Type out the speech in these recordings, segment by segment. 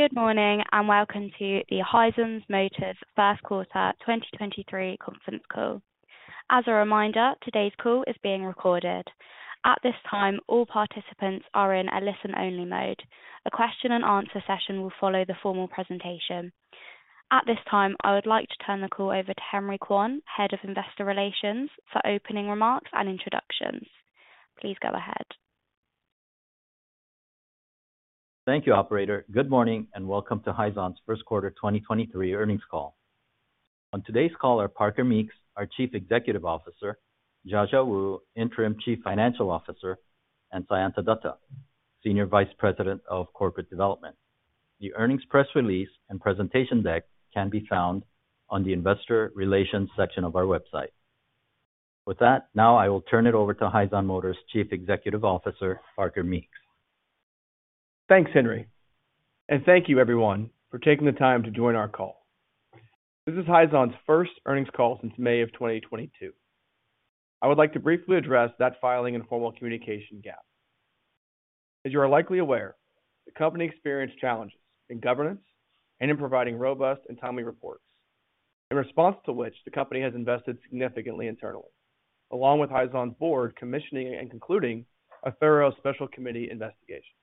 Good morning, and welcome to the Hyzon Motors' First Quarter 2023 conference call. As a reminder, today's call is being recorded. At this time, all participants are in a listen-only mode. A question-and-answer session will follow the formal presentation. At this time, I would like to turn the call over to Henry Kwon, Head of Investor Relations, for opening remarks and introductions. Please go ahead. Thank you, operator. Good morning, and welcome to Hyzon's First Quarter 2023 earnings call. On today's call are Parker Meeks, our Chief Executive Officer, Jiajia Wu, Interim Chief Financial Officer, and Sayanta Dutta, Senior Vice President of Corporate Development. The earnings press release and presentation deck can be found on the investor relations section of our website. With that, now I will turn it over to Hyzon Motors' Chief Executive Officer, Parker Meeks. Thanks, Henry, and thank you everyone for taking the time to join our call. This is Hyzon's first earnings call since May of 2022. I would like to briefly address that filing and formal communication gap. As you are likely aware, the company experienced challenges in governance and in providing robust and timely reports. In response to which, the company has invested significantly internally, along with Hyzon's board, commissioning and concluding a thorough special committee investigation.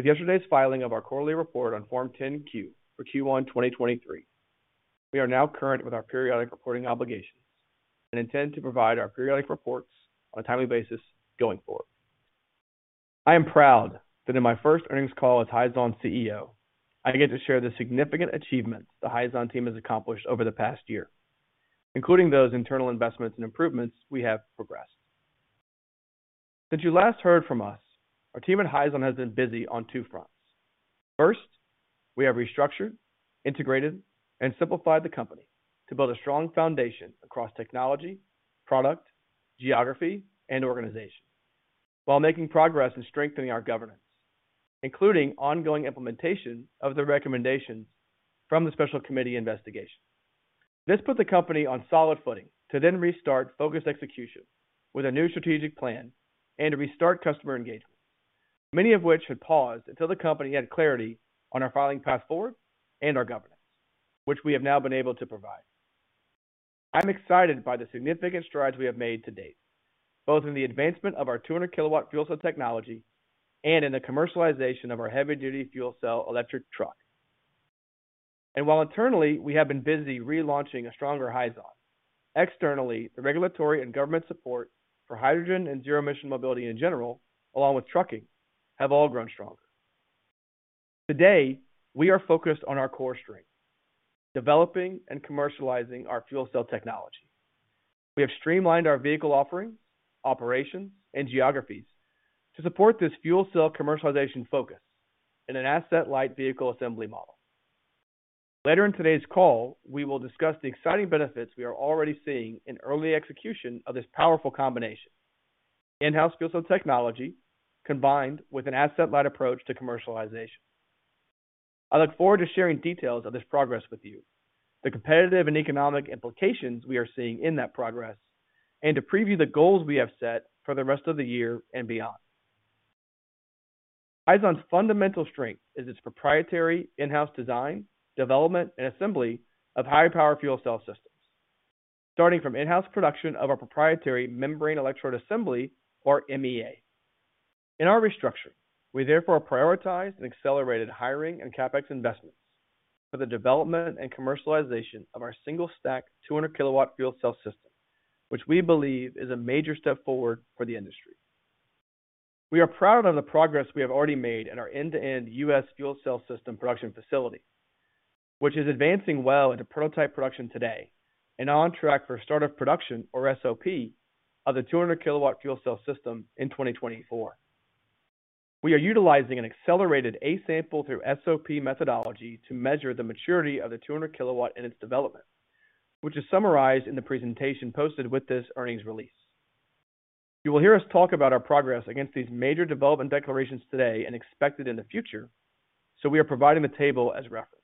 With yesterday's filing of our quarterly report on Form 10-Q for Q1 2023, we are now current with our periodic reporting obligations and intend to provide our periodic reports on a timely basis going forward. I am proud that in my first earnings call as Hyzon's CEO, I get to share the significant achievements the Hyzon team has accomplished over the past year, including those internal investments and improvements we have progressed. Since you last heard from us, our team at Hyzon has been busy on two fronts. First, we have restructured, integrated, and simplified the company to build a strong foundation across technology, product, geography, and organization, while making progress in strengthening our governance, including ongoing implementation of the recommendations from the special committee investigation. This put the company on solid footing to then restart focused execution with a new strategic plan and to restart customer engagement, many of which had paused until the company had clarity on our filing path forward and our governance, which we have now been able to provide. I'm excited by the significant strides we have made to date, both in the advancement of our 200 upfit fuel cell technology and in the commercialization of our heavy-duty fuel cell electric truck. While internally we have been busy relaunching a stronger Hyzon, externally, the regulatory and government support for hydrogen and zero-emission mobility in general, along with trucking, have all grown stronger. Today, we are focused on our core strength: developing and commercializing our fuel cell technology. We have streamlined our vehicle offerings, operations, and geographies to support this fuel cell commercialization focus in an asset-light vehicle assembly model. Later in today's call, we will discuss the exciting benefits we are already seeing in early execution of this powerful combination: in-house fuel cell technology combined with an asset-light approach to commercialization. I look forward to sharing details of this progress with you, the competitive and economic implications we are seeing in that progress, and to preview the goals we have set for the rest of the year and beyond. Hyzon's fundamental strength is its proprietary in-house design, development, and assembly of high-power fuel cell systems, starting from in-house production of our proprietary membrane electrode assembly, or MEA. In our restructuring, we therefore prioritized and accelerated hiring and CapEx investments for the development and commercialization of our single-stack 200 kW fuel cell system, which we believe is a major step forward for the industry. We are proud of the progress we have already made in our end-to-end U.S. fuel cell system production facility, which is advancing well into prototype production today and on track for start of production, or SOP, of the 200 kilowatt fuel cell system in 2024. We are utilizing an accelerated A-sample through SOP methodology to measure the maturity of the 200kW in its development, which is summarized in the presentation posted with this earnings release. You will hear us talk about our progress against these major development declarations today and expected in the future. We are providing the table as reference.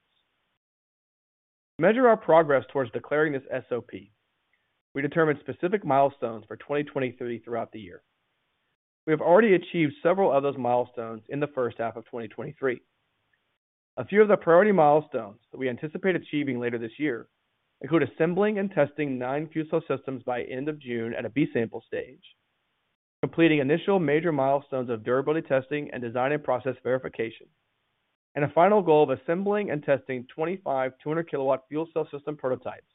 To measure our progress towards declaring this SOP, we determined specific milestones for 2023 throughout the year. We have already achieved several of those milestones in the first half of 2023. A few of the priority milestones that we anticipate achieving later this year include assembling and testing nine fuel cell systems by end of June at a B-sample stage, completing initial major milestones of durability testing and design and process verification, and a final goal of assembling and testing 25 200 kW fuel cell system prototypes,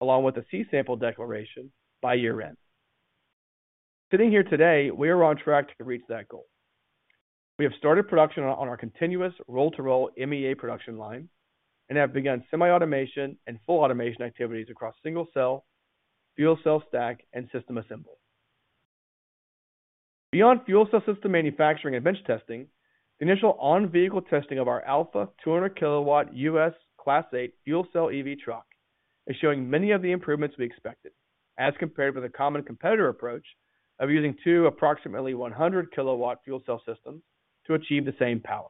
along with a C-sample declaration by year-end. Sitting here today, we are on track to reach that goal. We have started production on our continuous roll-to-roll MEA production line and have begun semi-automation and full automation activities across single cell, fuel cell stack, and system assembly. Beyond fuel cell system manufacturing and bench testing, the initial on-vehicle testing of our Alpha 200kW US Class 8 fuel cell EV truck is showing many of the improvements we expected, as compared with a common competitor approach of using two approximately 100kW fuel cell systems to achieve the same power.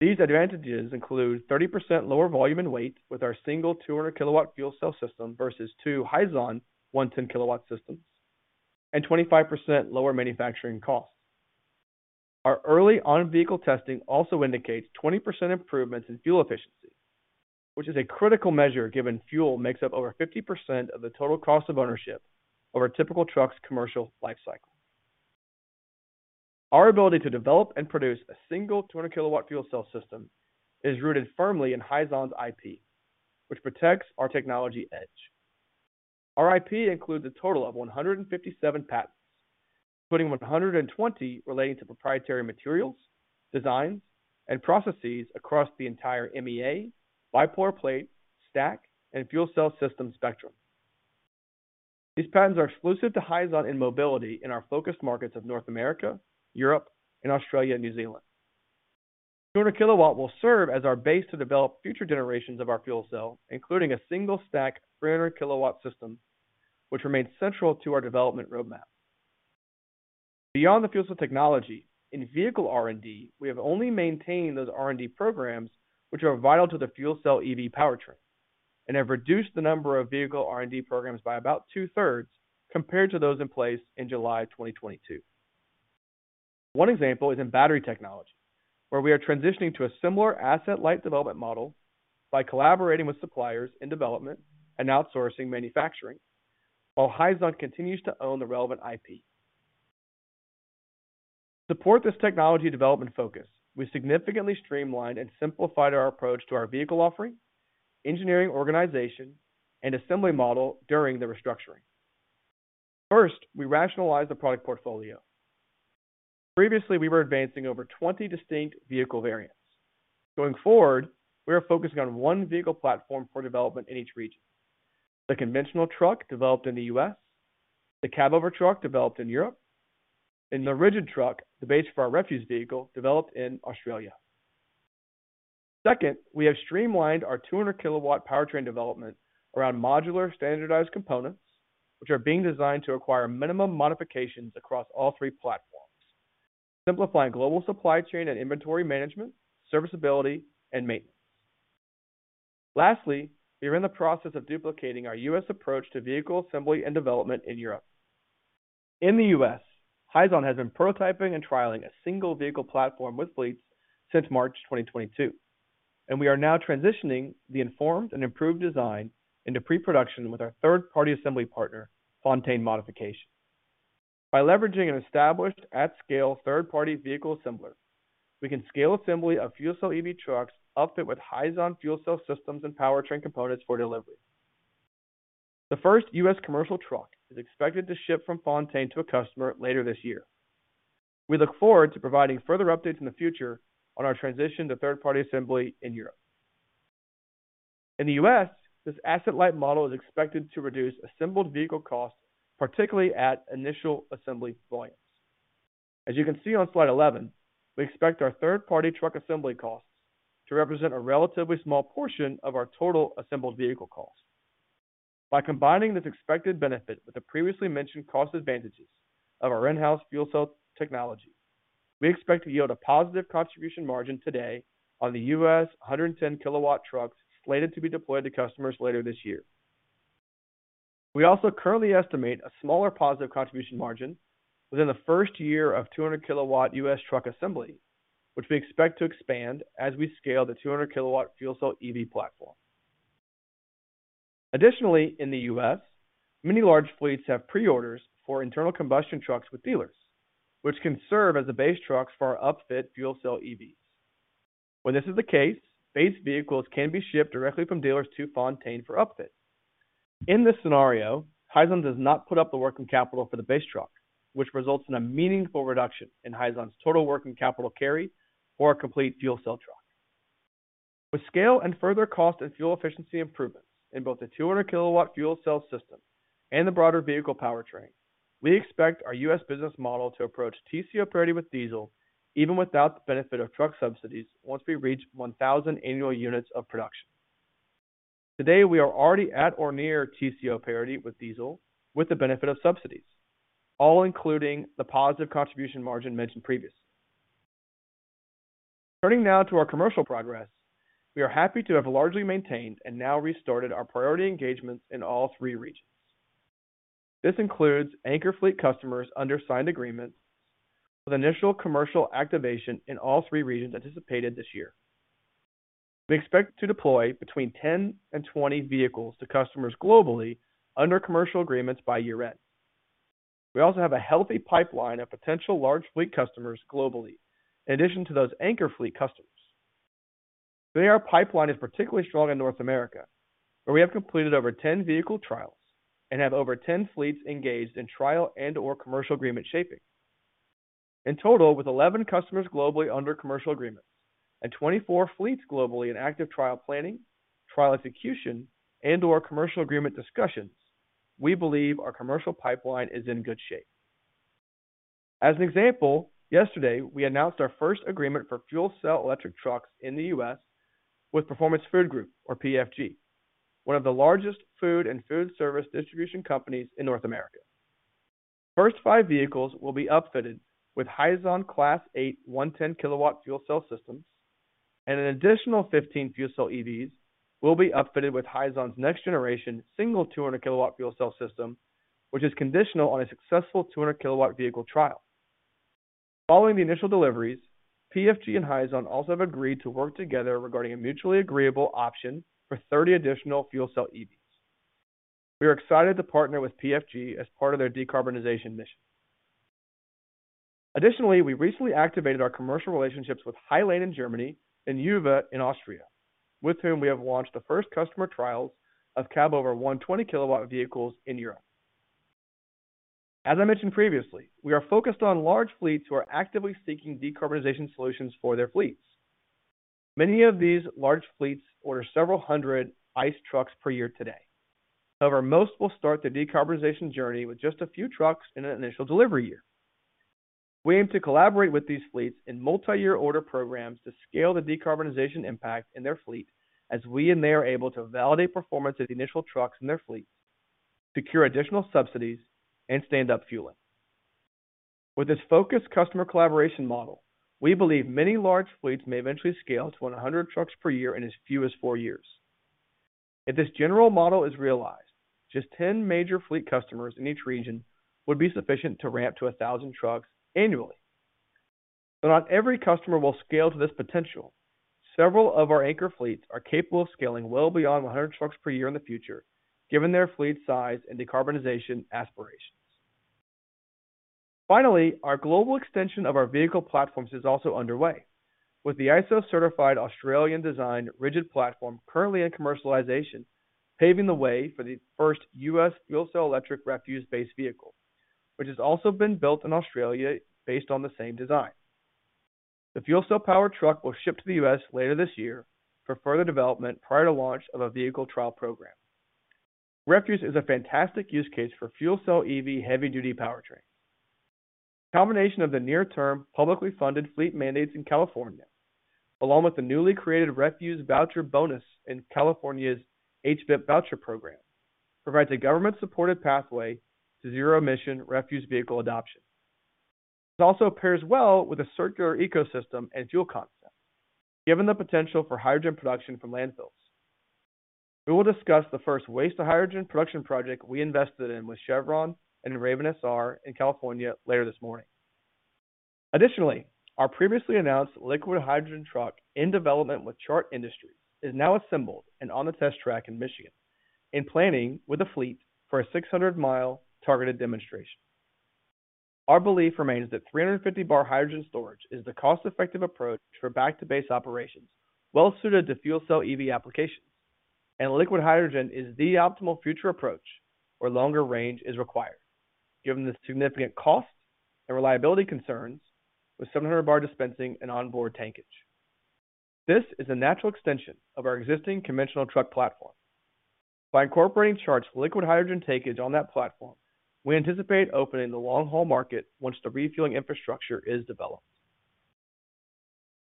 These advantages include 30% lower volume and weight with our single 200kW fuel cell system versus two Hyzon 110kW systems, and 25% lower manufacturing costs. Our early on-vehicle testing also indicates 20% improvements in fuel efficiency, which is a critical measure, given fuel makes up over 50% of the total cost of ownership over a typical truck's commercial life cycle. Our ability to develop and produce a single 200kW fuel cell system is rooted firmly in Hyzon's IP, which protects our technology edge. Our IP includes a total of 157 patents, including 120 relating to proprietary materials, designs, and processes across the entire MEA, bipolar plate, stack, and fuel cell system spectrum. These patents are exclusive to Hyzon in mobility in our focus markets of North America, Europe, and Australia, and New Zealand. 200kW will serve as our base to develop future generations of our fuel cell, including a single stack 300kW system, which remains central to our development roadmap. Beyond the fuel cell technology, in vehicle R&D, we have only maintained those R&D programs which are vital to the fuel cell EV powertrain and have reduced the number of vehicle R&D programs by about two-thirds compared to those in place in July 2022. One example is in battery technology, where we are transitioning to a similar asset-light development model by collaborating with suppliers in development and outsourcing manufacturing, while Hyzon continues to own the relevant IP. To support this technology development focus, we significantly streamlined and simplified our approach to our vehicle offering, engineering organization, and assembly model during the restructuring. First, we rationalized the product portfolio. Previously, we were advancing over 20 distinct vehicle variants. Going forward, we are focusing on one vehicle platform for development in each region: the conventional truck developed in the U.S., the cabover truck developed in Europe, and the rigid truck, the base for our refuse vehicle, developed in Australia. Second, we have streamlined our 200kW powertrain development around modular standardized components, which are being designed to require minimum modifications across all three platforms, simplifying global supply chain and inventory management, serviceability, and maintenance. Lastly, we are in the process of duplicating our U.S. approach to vehicle assembly and development in Europe. In the U.S., Hyzon has been prototyping and trialing a single vehicle platform with fleets since March 2022, and we are now transitioning the informed and improved design into pre-production with our third-party assembly partner, Fontaine Modification. By leveraging an established, at-scale third-party vehicle assembler, we can scale assembly of fuel cell EV upfit with Hyzon fuel cell systems and powertrain components for delivery. The first U.S. commercial truck is expected to ship from Fontaine to a customer later this year. We look forward to providing further updates in the future on our transition to third-party assembly in Europe. In the U.S., this asset-light model is expected to reduce assembled vehicle costs, particularly at initial assembly volumes. As you can see on slide 11, we expect our third-party truck assembly costs to represent a relatively small portion of our total assembled vehicle costs. By combining this expected benefit with the previously mentioned cost advantages of our in-house fuel cell technology, we expect to yield a positive contribution margin today on the U.S. 110kW trucks slated to be deployed to customers later this year. We also currently estimate a smaller positive contribution margin within the first year of 200kW U.S. truck assembly, which we expect to expand as we scale the 200kW fuel cell EV platform. Additionally, in the U.S., many large fleets have pre-orders for internal combustion trucks with dealers, which can serve as the base trucks for upfit fuel cell EVs. When this is the case, base vehicles can be shipped directly from dealers to Fontaine for upfit. In this scenario, Hyzon does not put up the working capital for the base truck, which results in a meaningful reduction in Hyzon's total working capital carry for a complete fuel cell truck. With scale and further cost and fuel efficiency improvements in both the 200kW fuel cell system and the broader vehicle powertrain, we expect our U.S. business model to approach TCO parity with diesel, even without the benefit of truck subsidies, once we reach 1,000 annual units of production. Today, we are already at or near TCO parity with diesel, with the benefit of subsidies, all including the positive contribution margin mentioned previously. Turning now to our commercial progress, we are happy to have largely maintained and now restarted our priority engagements in all three regions. This includes anchor fleet customers under signed agreements, with initial commercial activation in all three regions anticipated this year. We expect to deploy between 10 and 20 vehicles to customers globally under commercial agreements by year-end. We have a healthy pipeline of potential large fleet customers globally, in addition to those anchor fleet customers. Today, our pipeline is particularly strong in North America, where we have completed over 10 vehicle trials and have over 10 fleets engaged in trial and/or commercial agreement shaping. In total, with 11 customers globally under commercial agreements and 24 fleets globally in active trial planning, trial execution, and/or commercial agreement discussions, we believe our commercial pipeline is in good shape. As an example, yesterday, we announced our first agreement for fuel cell electric trucks in the U.S. with Performance Food Group, or PFG, one of the largest food and food service distribution companies in North America. The first 5 vehicles will be upfitted with Hyzon Class 8, 110kW fuel cell systems. An additional 15 fuel cell EVs will be upfitted with Hyzon's next generation single 200kW fuel cell system, which is conditional on a successful 200kW vehicle trial. Following the initial deliveries, PFG and Hyzon also have agreed to work together regarding a mutually agreeable option for 30 additional fuel cell EVs. We are excited to partner with PFG as part of their decarbonization mission. Additionally, we recently activated our commercial relationships with Hylane in Germany and Yuva in Austria, with whom we have launched the first customer trials of cab over 120kW vehicles in Europe. As I mentioned previously, we are focused on large fleets who are actively seeking decarbonization solutions for their fleets. Many of these large fleets order several hundred ICE trucks per year today. Most will start their decarbonization journey with just a few trucks in an initial delivery year. We aim to collaborate with these fleets in multi-year order programs to scale the decarbonization impact in their fleet, as we and they are able to validate performance of the initial trucks in their fleet, secure additional subsidies, and stand up fueling. With this focused customer collaboration model, we believe many large fleets may eventually scale to 100 trucks per year in as few as four years. If this general model is realized, just 10 major fleet customers in each region would be sufficient to ramp to 1,000 trucks annually. Not every customer will scale to this potential. Several of our anchor fleets are capable of scaling well beyond 100 trucks per year in the future, given their fleet size and decarbonization aspirations. Finally, our global extension of our vehicle platforms is also underway, with the ISO-certified Australian-designed rigid platform currently in commercialization, paving the way for the first U.S. fuel cell electric refuse-based vehicle, which has also been built in Australia based on the same design. The fuel cell powered truck will ship to the U.S. later this year for further development prior to launch of a vehicle trial program. Refuse is a fantastic use case for fuel cell EV heavy-duty powertrain. The combination of the near-term, publicly funded fleet mandates in California, along with the newly created refuse voucher bonus in California's HVIP voucher program, provides a government-supported pathway to zero-emission refuse vehicle adoption. It also pairs well with a circular ecosystem and fuel concept, given the potential for hydrogen production from landfills. We will discuss the first waste to hydrogen production project we invested in with Chevron and Raven SR in California later this morning. Additionally, our previously announced liquid hydrogen truck in development with Chart Industries is now assembled and on the test track in Michigan, in planning with a fleet for a 600-mile targeted demonstration. Our belief remains that 350 bar hydrogen storage is the cost-effective approach for back-to-base operations, well suited to fuel cell EV applications, and liquid hydrogen is the optimal future approach where longer range is required, given the significant cost and reliability concerns with 700 bar dispensing and onboard tankage. This is a natural extension of our existing conventional truck platform. By incorporating Chart's liquid hydrogen tankage on that platform, we anticipate opening the long-haul market once the refueling infrastructure is developed.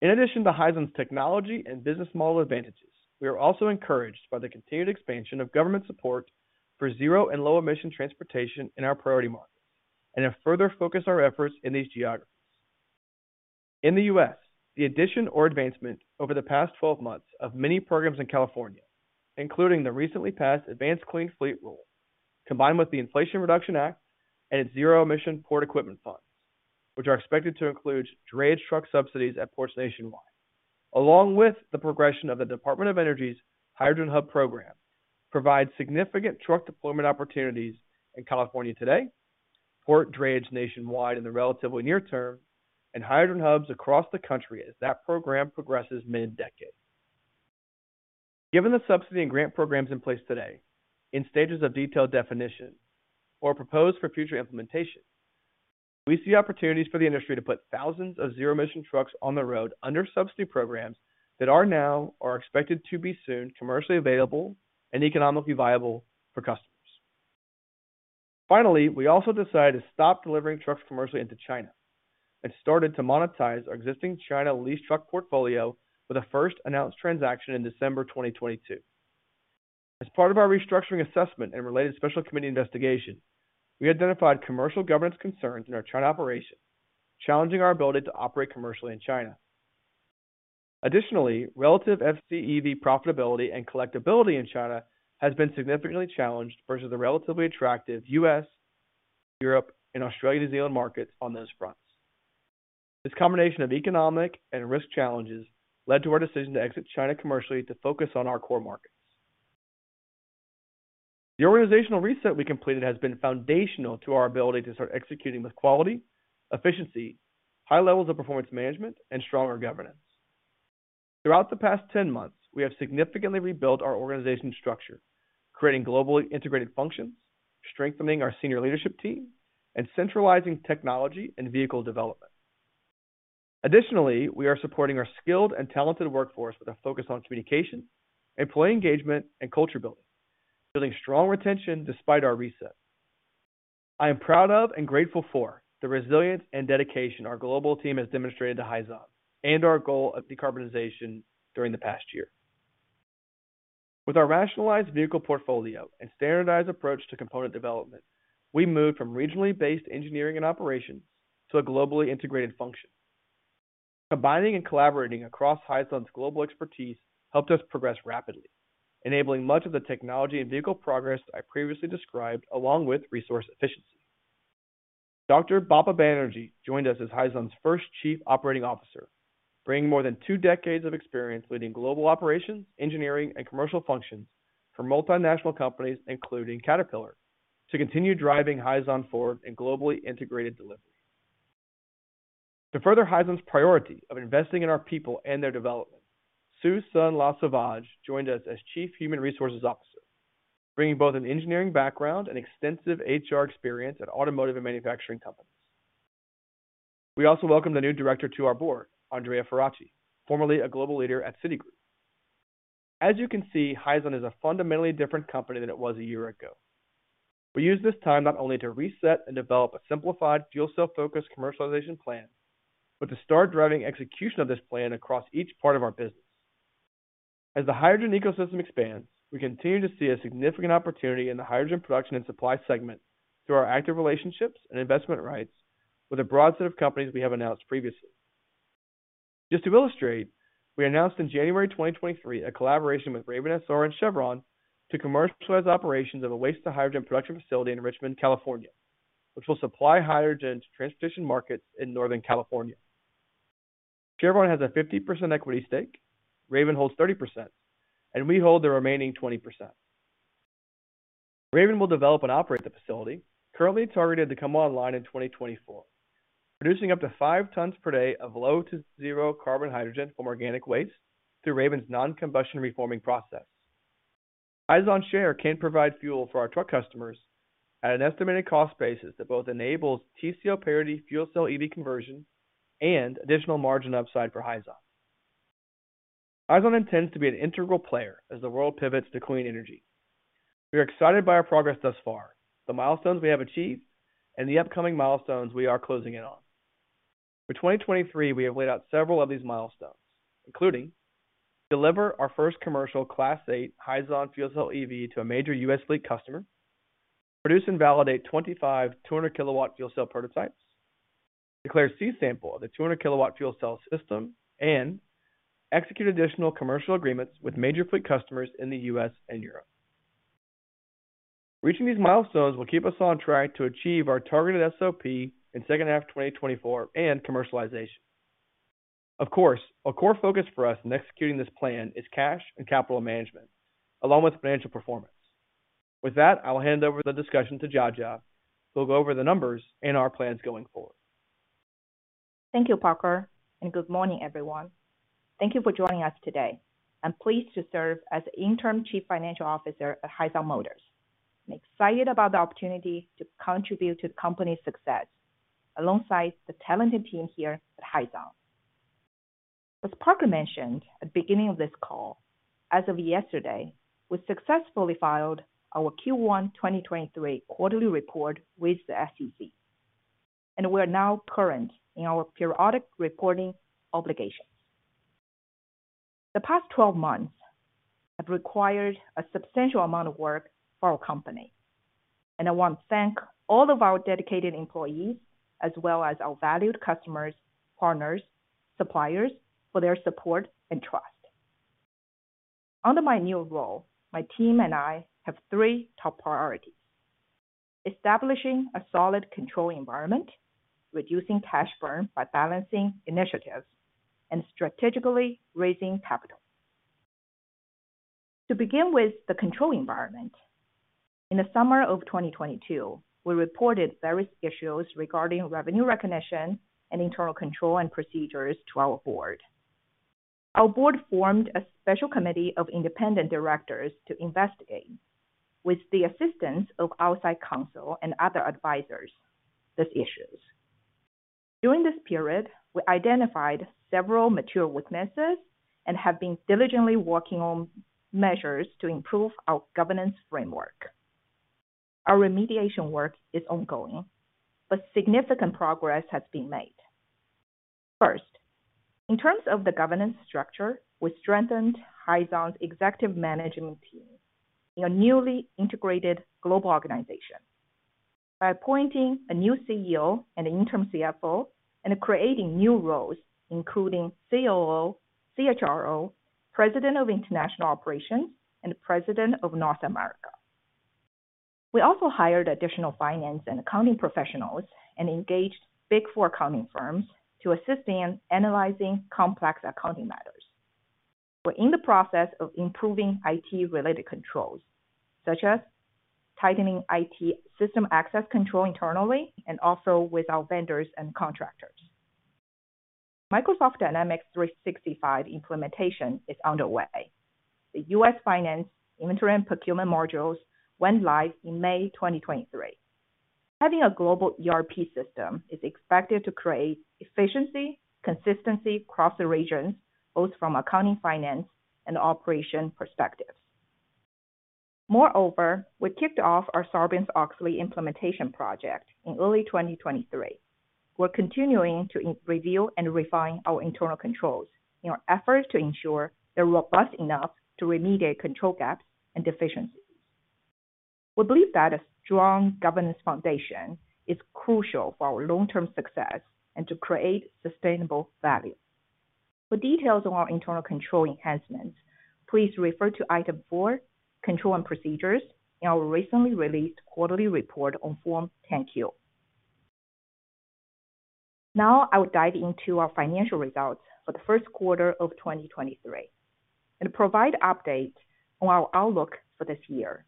In addition to Hyzon's technology and business model advantages, we are also encouraged by the continued expansion of government support for zero and low emission transportation in our priority model, and have further focused our efforts in these geographies. In the U.S., the addition or advancement over the past 12 months of many programs in California, including the recently passed Advanced Clean Fleet Rule, combined with the Inflation Reduction Act and its zero-emission port equipment funds, which are expected to include drayage truck subsidies at ports nationwide, along with the progression of the Department of Energy's Hydrogen Hub program, provide significant truck deployment opportunities in California today, port drayage nationwide in the relatively near term, and hydrogen hubs across the country as that program progresses mid-decade. Given the subsidy and grant programs in place today, in stages of detailed definition or proposed for future implementation, we see opportunities for the industry to put thousands of zero-emission trucks on the road under subsidy programs that are now or are expected to be soon commercially available and economically viable for customers. Finally, we also decided to stop delivering trucks commercially into China and started to monetize our existing China lease truck portfolio with the first announced transaction in December 2022. As part of our restructuring assessment and related special committee investigation, we identified commercial governance concerns in our China operations, challenging our ability to operate commercially in China. Additionally, relative FCEV profitability and collectability in China has been significantly challenged versus the relatively attractive US, Europe, and Australia/New Zealand markets on those fronts. This combination of economic and risk challenges led to our decision to exit China commercially to focus on our core markets. The organizational reset we completed has been foundational to our ability to start executing with quality, efficiency, high levels of performance management, and stronger governance. Throughout the past 10 months, we have significantly rebuilt our organization structure, creating globally integrated functions, strengthening our senior leadership team, and centralizing technology and vehicle development. We are supporting our skilled and talented workforce with a focus on communication, employee engagement, and culture building strong retention despite our reset. I am proud of and grateful for the resilience and dedication our global team has demonstrated to Hyzon and our goal of decarbonization during the past year. Our rationalized vehicle portfolio and standardized approach to component development, we moved from regionally based engineering and operations to a globally integrated function. Combining and collaborating across Hyzon's global expertise helped us progress rapidly, enabling much of the technology and vehicle progress I previously described, along with resource efficiency. Dr. Bappa Banerjee joined us as Hyzon's first Chief Operating Officer, bringing more than 2 decades of experience leading global operations, engineering, and commercial functions for multinational companies, including Caterpillar, to continue driving Hyzon forward in globally integrated delivery. To further Hyzon's priority of investing in our people and their development, Sue Sun-LaSovage joined us as Chief Human Resources Officer, bringing both an engineering background and extensive HR experience at automotive and manufacturing companies. We also welcomed a new director to our board, Andrea Farace, formerly a global leader at Citigroup. As you can see, Hyzon is a fundamentally different company than it was a year ago. We used this time not only to reset and develop a simplified fuel cell-focused commercialization plan, but to start driving execution of this plan across each part of our business. As the hydrogen ecosystem expands, we continue to see a significant opportunity in the hydrogen production and supply segment through our active relationships and investment rights with a broad set of companies we have announced previously. Just to illustrate, we announced in January 2023 a collaboration with Raven SR and Chevron to commercialize operations of a waste-to-hydrogen production facility in Richmond, California, which will supply hydrogen to transition markets in Northern California. Chevron has a 50% equity stake, Raven holds 30%, and we hold the remaining 20%. Raven SR will develop and operate the facility, currently targeted to come online in 2024, producing up to 5 tons per day of low to zero carbon hydrogen from organic waste through Raven SR's non-combustion reforming process. Hyzon's share can provide fuel for our truck customers at an estimated cost basis that both enables TCO parity fuel cell EV conversion and additional margin upside for Hyzon. Hyzon intends to be an integral player as the world pivots to clean energy. We are excited by our progress thus far, the milestones we have achieved, and the upcoming milestones we are closing in on. For 2023, we have laid out several of these milestones, including deliver our first commercial Class 8 Hyzon fuel cell EV to a major U.S. fleet customer, produce and validate 25, 200 kilowatt fuel cell prototypes, declare C-sample of the 200 kilowatt fuel cell system, and execute additional commercial agreements with major fleet customers in the U.S. and Europe. Reaching these milestones will keep us on track to achieve our targeted SOP in second half of 2024 and commercialization. Of course, a core focus for us in executing this plan is cash and capital management, along with financial performance. With that, I will hand over the discussion to Jiajia, who'll go over the numbers and our plans going forward. Thank you, Parker. Good morning, everyone. Thank you for joining us today. I'm pleased to serve as the Interim Chief Financial Officer at Hyzon Motors, and excited about the opportunity to contribute to the company's success alongside the talented team here at Hyzon. As Parker mentioned at the beginning of this call, as of yesterday, we successfully filed our Q1 2023 quarterly report with the SEC, and we are now current in our periodic reporting obligations. The past 12 months have required a substantial amount of work for our company, and I want to thank all of our dedicated employees, as well as our valued customers, partners, suppliers, for their support and trust. Under my new role, my team and I have 3 top priorities: establishing a solid control environment, reducing cash burn by balancing initiatives, and strategically raising capital. To begin with, the control environment. In the summer of 2022, we reported various issues regarding revenue recognition and internal control and procedures to our board. Our board formed a special committee of independent directors to investigate, with the assistance of outside counsel and other advisors, these issues. During this period, we identified several material weaknesses and have been diligently working on measures to improve our governance framework. Our remediation work is ongoing, but significant progress has been made. First, in terms of the governance structure, we strengthened Hyzon's executive management team in a newly integrated global organization by appointing a new CEO and an interim CFO, and creating new roles, including COO, CHRO, President of International Operations, and President of North America. We also hired additional finance and accounting professionals and engaged Big Four accounting firms to assist in analyzing complex accounting matters. We're in the process of improving IT-related controls, such as tightening IT system access control internally and also with our vendors and contractors. Microsoft Dynamics 365 implementation is underway. The U.S. finance, inventory, and procurement modules went live in May 2023. Having a global ERP system is expected to create efficiency, consistency across the regions, both from accounting, finance, and operation perspectives. Moreover, we kicked off our Sarbanes-Oxley implementation project in early 2023. We're continuing to review and refine our internal controls in our efforts to ensure they're robust enough to remediate control gaps and deficiencies. We believe that a strong governance foundation is crucial for our long-term success and to create sustainable value. For details on our internal control enhancements, please refer to Item Four: Control and Procedures, in our recently released quarterly report on Form 10-Q. I will dive into our financial results for the first quarter of 2023, and provide update on our outlook for this year.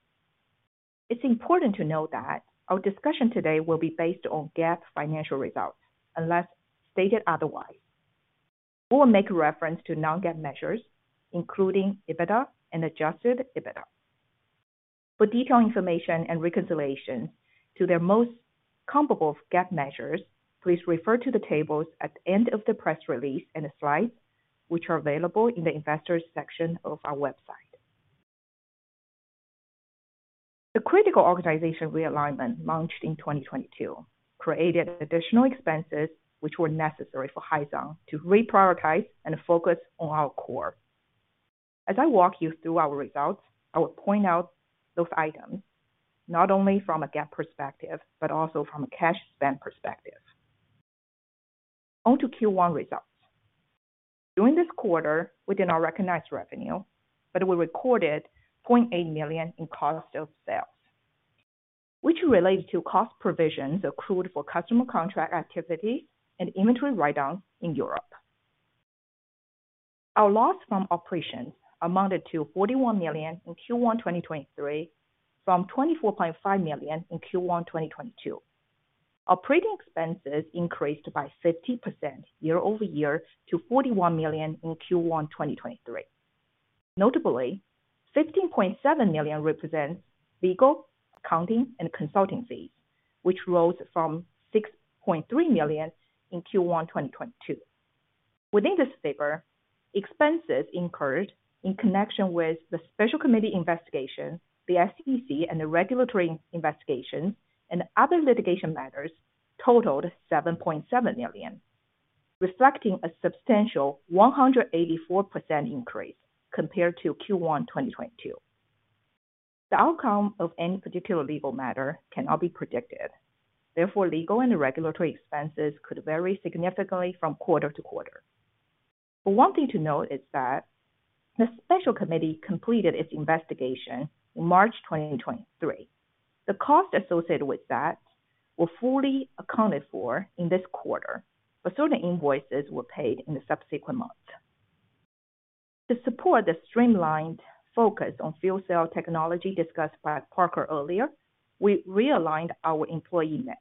It's important to note that our discussion today will be based on GAAP financial results, unless stated otherwise. We will make a reference to non-GAAP measures, including EBITDA and adjusted EBITDA. For detailed information and reconciliation to their most comparable GAAP measures, please refer to the tables at the end of the press release and the slides, which are available in the Investors section of our website. The critical organization realignment launched in 2022, created additional expenses which were necessary for Hyzon to reprioritize and focus on our core. As I walk you through our results, I will point out those items, not only from a GAAP perspective, but also from a cash spend perspective. On to Q1 results. During this quarter, we did not recognize revenue, we recorded $0.8 million in cost of sales, which relates to cost provisions accrued for customer contract activity and inventory write-down in Europe. Our loss from operations amounted to $41 million in Q1 2023, from $24.5 million in Q1 2022. Operating expenses increased by 50% year-over-year to $41 million in Q1 2023. Notably, $15.7 million represents legal, accounting, and consulting fees, which rose from $6.3 million in Q1 2022. Within this figure, expenses incurred in connection with the special committee investigation, the SEC, and the regulatory investigation, and other litigation matters totaled $7.7 million, reflecting a substantial 184% increase compared to Q1 2022. The outcome of any particular legal matter cannot be predicted, therefore, legal and regulatory expenses could vary significantly from quarter to quarter. One thing to note is that the special committee completed its investigation in March 2023. The costs associated with that were fully accounted for in this quarter, but certain invoices were paid in the subsequent months. To support the streamlined focus on fuel cell technology discussed by Parker earlier, we realigned our employee mix,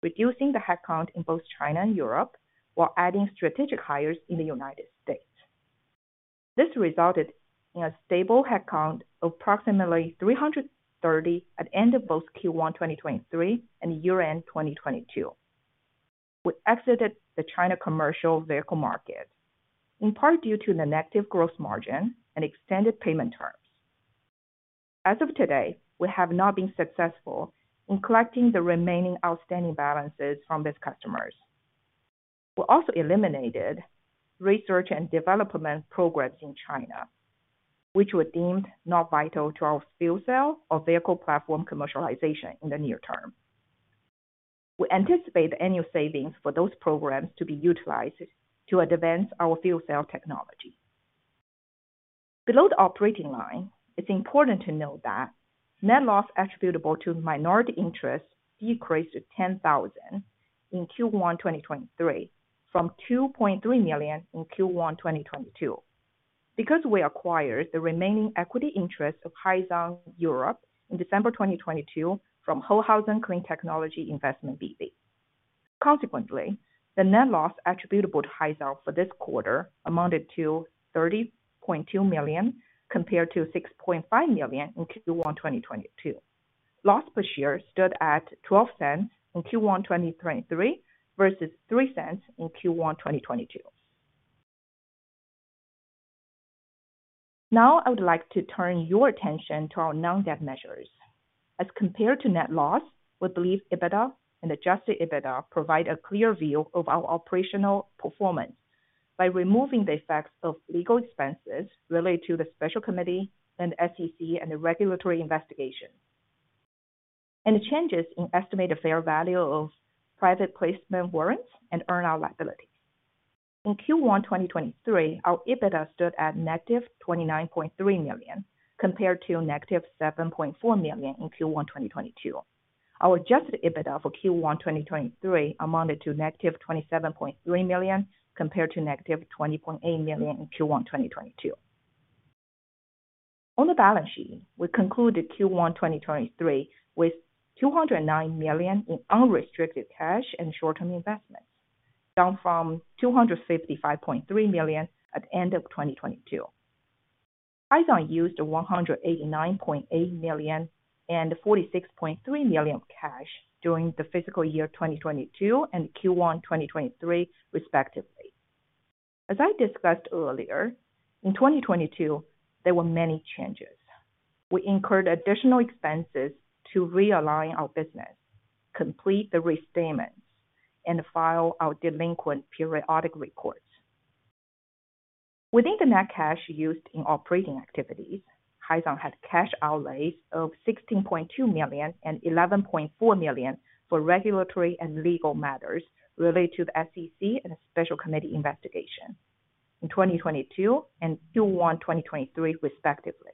reducing the headcount in both China and Europe, while adding strategic hires in the United States. This resulted in a stable headcount of approximately 330 at end of both Q1 2023 and year-end 2022. We exited the China commercial vehicle market, in part due to the negative growth margin and extended payment terms. As of today, we have not been successful in collecting the remaining outstanding balances from these customers. We also eliminated research and development programs in China, which were deemed not vital to our fuel cell or vehicle platform commercialization in the near term. We anticipate annual savings for those programs to be utilized to advance our fuel cell technology. Below the operating line, it's important to note that net loss attributable to minority interests decreased to $10,000 in Q1 2023, from $2.3 million in Q1 2022. Because we acquired the remaining equity interest of Hyzon Europe in December 2022 from Holthausen Clean Technology Investments B.V. Consequently, the net loss attributable to Hyzon for this quarter amounted to $30.2 million, compared to $6.5 million in Q1 2022. Loss per share stood at $0.12 in Q1 2023, versus $0.03 in Q1 2022. Now, I would like to turn your attention to our non-GAAP measures. As compared to net loss, we believe EBITDA and adjusted EBITDA provide a clear view of our operational performance by removing the effects of legal expenses related to the special committee and SEC, and the regulatory investigation, and the changes in estimated fair value of private placement warrants and earnout liability. In Q1 2023, our EBITDA stood at negative $29.3 million, compared to negative $7.4 million in Q1 2022. Our adjusted EBITDA for Q1 2023 amounted to negative $27.3 million, compared to negative $20.8 million in Q1 2022. On the balance sheet, we concluded Q1 2023 with $209 million in unrestricted cash and short-term investments, down from $255.3 million at the end of 2022. Hyzon used $189.8 million and $46.3 million of cash during the fiscal year 2022 and Q1 2023, respectively. As I discussed earlier, in 2022, there were many changes. We incurred additional expenses to realign our business, complete the restatements, and file our delinquent periodic reports. Within the net cash used in operating activities, Hyzon had cash outlays of $16.2 million and $11.4 million for regulatory and legal matters related to the SEC and a special committee investigation in 2022 and Q1 2023 respectively.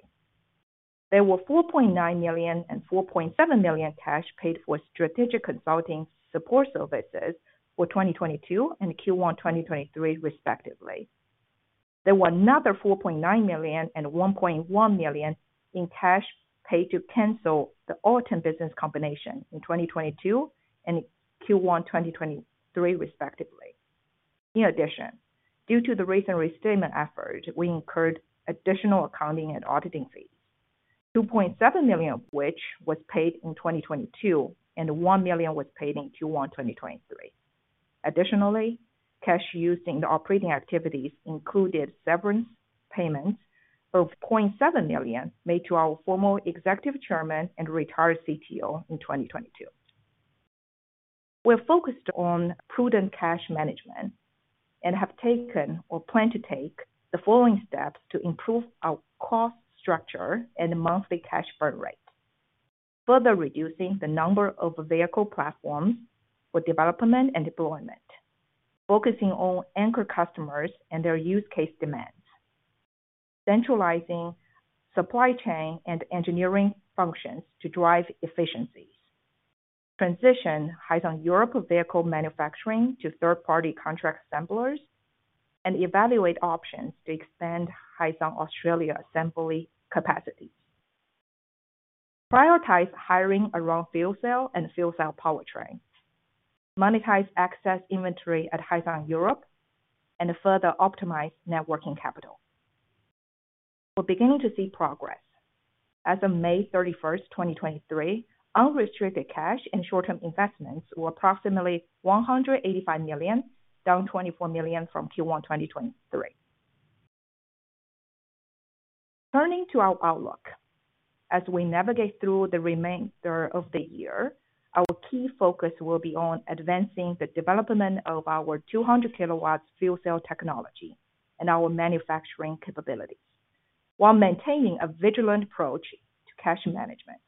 There were $4.9 million and $4.7 million cash paid for strategic consulting support services for 2022 and Q1 2023 respectively. There were another $4.9 million and $1.1 million in cash paid to cancel the Ulton business combination in 2022 and Q1 2023, respectively. Due to the recent restatement effort, we incurred additional accounting and auditing fees, $2.7 million of which was paid in 2022, and $1 million was paid in Q1 2023. Cash used in the operating activities included severance payments of $0.7 million made to our former executive chairman and retired CTO in 2022. We're focused on prudent cash management and have taken or plan to take the following steps to improve our cost structure and monthly cash burn rate. Further reducing the number of vehicle platforms for development and deployment. Focusing on anchor customers and their use case demands. Centralizing supply chain and engineering functions to drive efficiencies. Transition Hyzon Europe vehicle manufacturing to third-party contract assemblers, and evaluate options to expand Hyzon Australia assembly capacity. Prioritize hiring around fuel cell and fuel cell powertrain, monetize excess inventory at Hyzon Europe, and further optimize networking capital. We're beginning to see progress. As of May thirty-first, 2023, unrestricted cash and short-term investments were approximately $185 million, down $24 million from Q1 2023. Turning to our outlook. As we navigate through the remainder of the year, our key focus will be on advancing the development of our 200kW fuel cell technology and our manufacturing capabilities, while maintaining a vigilant approach to cash management.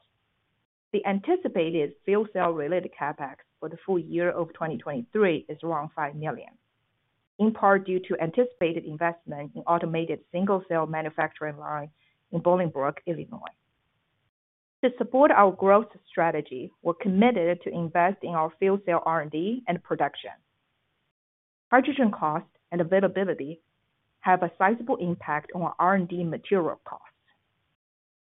The anticipated fuel cell-related CapEx for the full year of 2023 is around $5 million, in part due to anticipated investment in automated single-cell manufacturing line in Bolingbrook, Illinois. To support our growth strategy, we're committed to invest in our fuel cell R&D and production. Hydrogen cost and availability have a sizable impact on our R&D material costs.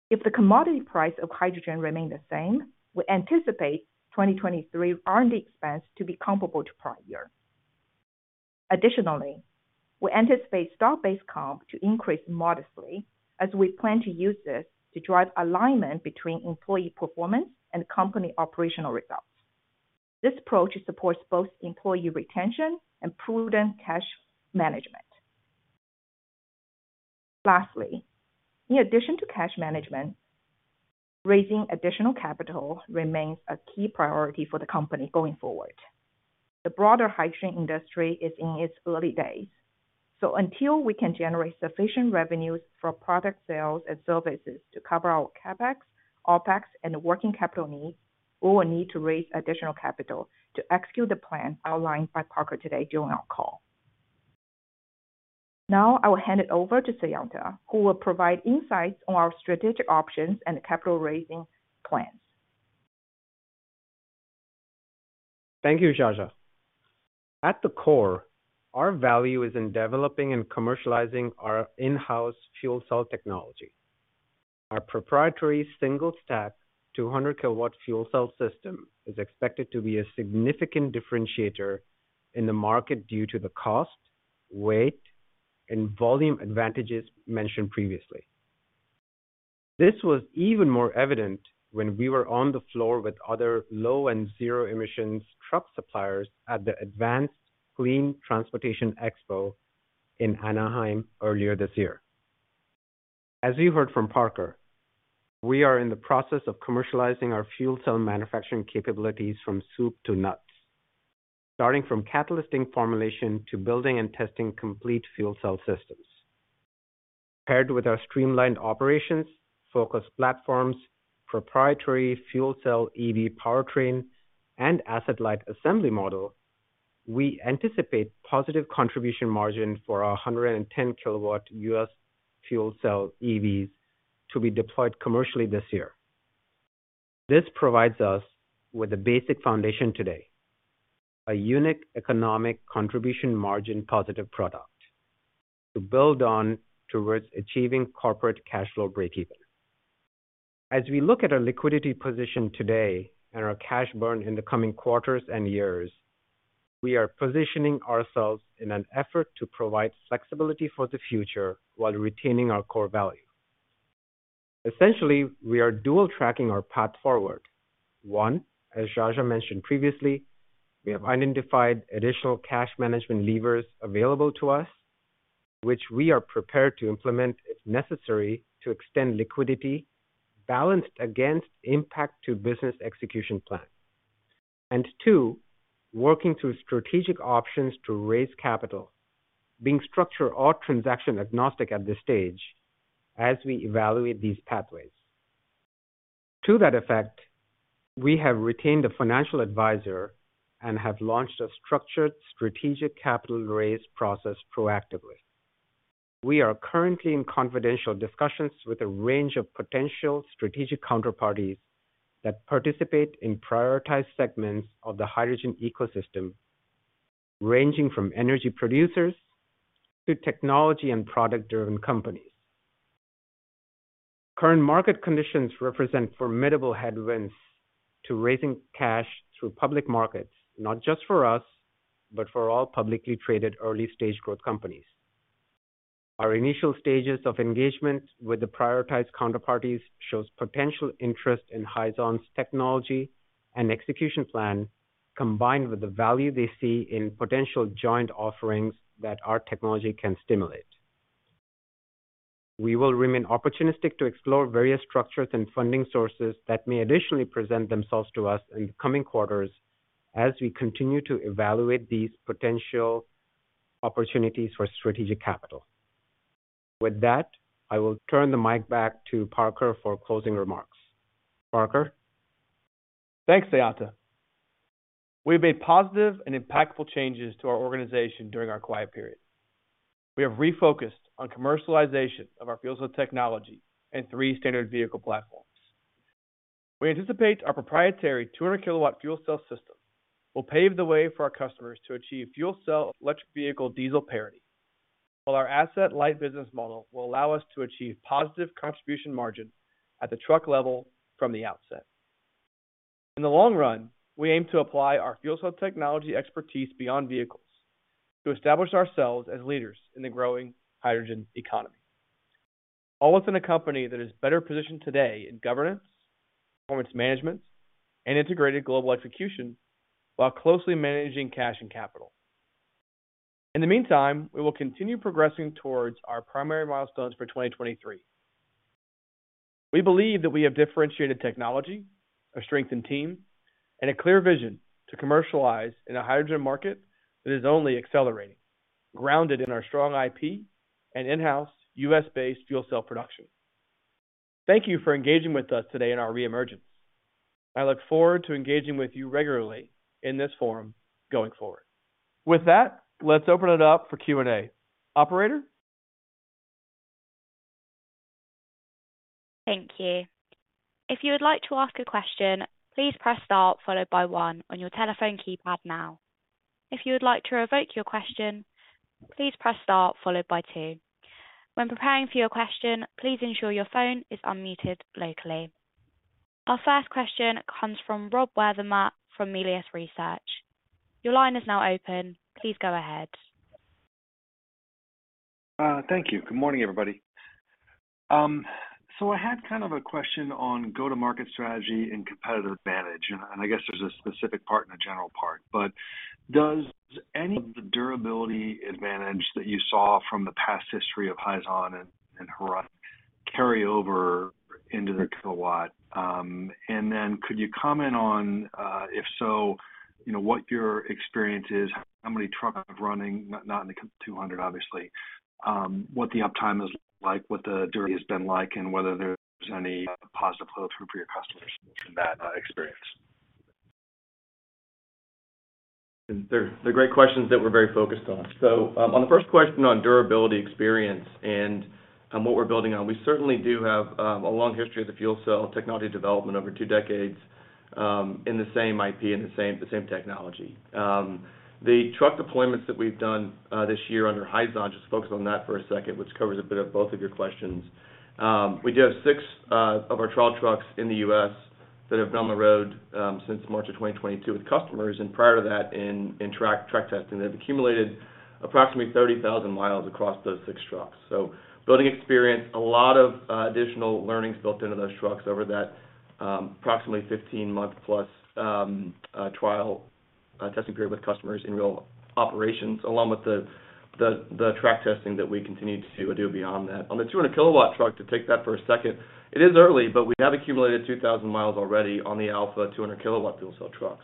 If the commodity price of hydrogen remain the same, we anticipate 2023 R&D expense to be comparable to prior year. Additionally, we anticipate stock-based comp to increase modestly as we plan to use this to drive alignment between employee performance and company operational results. This approach supports both employee retention and prudent cash management. Lastly, in addition to cash management, raising additional capital remains a key priority for the company going forward. The broader hydrogen industry is in its early days, until we can generate sufficient revenues from product sales and services to cover our CapEx, OpEx, and working capital needs, we will need to raise additional capital to execute the plan outlined by Parker today during our call. I will hand it over to Sayanta, who will provide insights on our strategic options and capital raising plans. Thank you, Jiajia. At the core, our value is in developing and commercializing our in-house fuel cell technology. Our proprietary single stack, 200kW fuel cell system is expected to be a significant differentiator in the market due to the cost, weight, and volume advantages mentioned previously. This was even more evident when we were on the floor with other low and zero-emission truck suppliers at the Advanced Clean Transportation Expo in Anaheim earlier this year. As you heard from Parker, we are in the process of commercializing our fuel cell manufacturing capabilities from soup to nuts, starting from catalyst formulation to building and testing complete fuel cell systems. Paired with our streamlined operations, focused platforms, proprietary fuel cell EV powertrain, and asset-light assembly model, we anticipate positive contribution margin for our 110kW US fuel cell EVs to be deployed commercially this year. This provides us with a basic foundation today, a unique economic contribution margin, positive product to build on towards achieving corporate cash flow breakeven. As we look at our liquidity position today and our cash burn in the coming quarters and years, we are positioning ourselves in an effort to provide flexibility for the future while retaining our core value. Essentially, we are dual tracking our path forward. One, as Jiajia mentioned previously, we have identified additional cash management levers available to us, which we are prepared to implement if necessary, to extend liquidity balanced against impact to business execution plan. Two, working through strategic options to raise capital, being structure or transaction agnostic at this stage as we evaluate these pathways. To that effect, we have retained a financial advisor and have launched a structured strategic capital raise process proactively. We are currently in confidential discussions with a range of potential strategic counterparties that participate in prioritized segments of the hydrogen ecosystem, ranging from energy producers to technology and product-driven companies. Current market conditions represent formidable headwinds to raising cash through public markets, not just for us, but for all publicly traded early-stage growth companies. Our initial stages of engagement with the prioritized counterparties shows potential interest in Hyzon's technology and execution plan, combined with the value they see in potential joint offerings that our technology can stimulate. We will remain opportunistic to explore various structures and funding sources that may additionally present themselves to us in the coming quarters as we continue to evaluate these potential opportunities for strategic capital. With that, I will turn the mic back to Parker for closing remarks. Parker? Thanks, Sayanta. We've made positive and impactful changes to our organization during our quiet period. We have refocused on commercialization of our fuel cell technology and three standard vehicle platforms. We anticipate our proprietary 200kW fuel cell system will pave the way for our customers to achieve fuel cell electric vehicle diesel parity, while our asset light business model will allow us to achieve positive contribution margin at the truck level from the outset. In the long run, we aim to apply our fuel cell technology expertise beyond vehicles to establish ourselves as leaders in the growing hydrogen economy. All within a company that is better positioned today in governance, performance management, and integrated global execution, while closely managing cash and capital. In the meantime, we will continue progressing towards our primary milestones for 2023. We believe that we have differentiated technology, a strengthened team, and a clear vision to commercialize in a hydrogen market that is only accelerating, grounded in our strong IP and in-house U.S.-based fuel cell production. Thank you for engaging with us today in our reemergence. I look forward to engaging with you regularly in this forum going forward. With that, let's open it up for Q&A. Operator? Thank you. If you would like to ask a question, please press star followed by one on your telephone keypad now. If you would like to revoke your question, please press star followed by two. When preparing for your question, please ensure your phone is unmuted locally. Our first question comes from Rob Wertheimer, from Melius Research. Your line is now open. Please go ahead. Thank you. Good morning, everybody. I had kind of a question on go-to-market strategy and competitive advantage, and I guess there's a specific part and a general part. Does any of the durability advantage that you saw from the past history of Hyzon and Haruh carry over into the kilowatt? Could you comment on, if so, you know, what your experience is, how many trucks running, not in the 200, obviously. What the uptime is like, what the duty has been like, and whether there's any positive flow through for your customers in that experience? They're great questions that we're very focused on. On the first question on durability experience and what we're building on, we certainly do have a long history of the fuel cell technology development over two decades in the same IP and the same technology. The truck deployments that we've done this year under Hyzon, just focus on that for a second, which covers a bit of both of your questions. We do have six of our trial trucks in the U.S. that have been on the road since March of 2022 with customers, and prior to that, in track testing. They've accumulated approximately 30,000 miles across those six trucks. Building experience, a lot of additional learnings built into those trucks over that, approximately 15-month-plus trial, testing period with customers in real operations, along with the track testing that we continue to do beyond that. On the 200kW truck, to take that for a second, it is early, but we have accumulated 2,000 miles already on the Alpha 200kW fuel cell truck.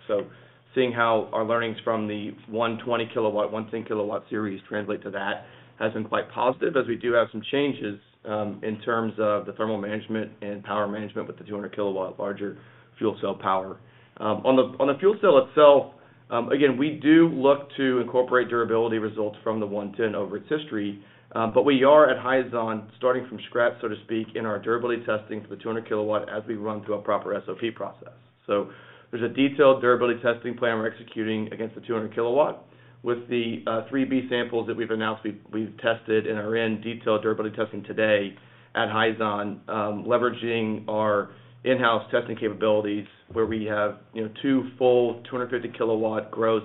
Seeing how our learnings from the 120kW, 110kW series translate to that has been quite positive, as we do have some changes in terms of the thermal management and power management with the 200kW larger fuel cell power. On the, on the fuel cell itself, again, we do look to incorporate durability results from the 110 over its history, but we are at Hyzon, starting from scratch, so to speak, in our durability testing for the 200kW as we run through a proper SOP process. There's a detailed durability testing plan we're executing against the 200kW. With the 3 B-samples that we've announced, we've tested and are in detailed durability testing today at Hyzon, leveraging our in-house testing capabilities, where we have, you know, two full 230kW gross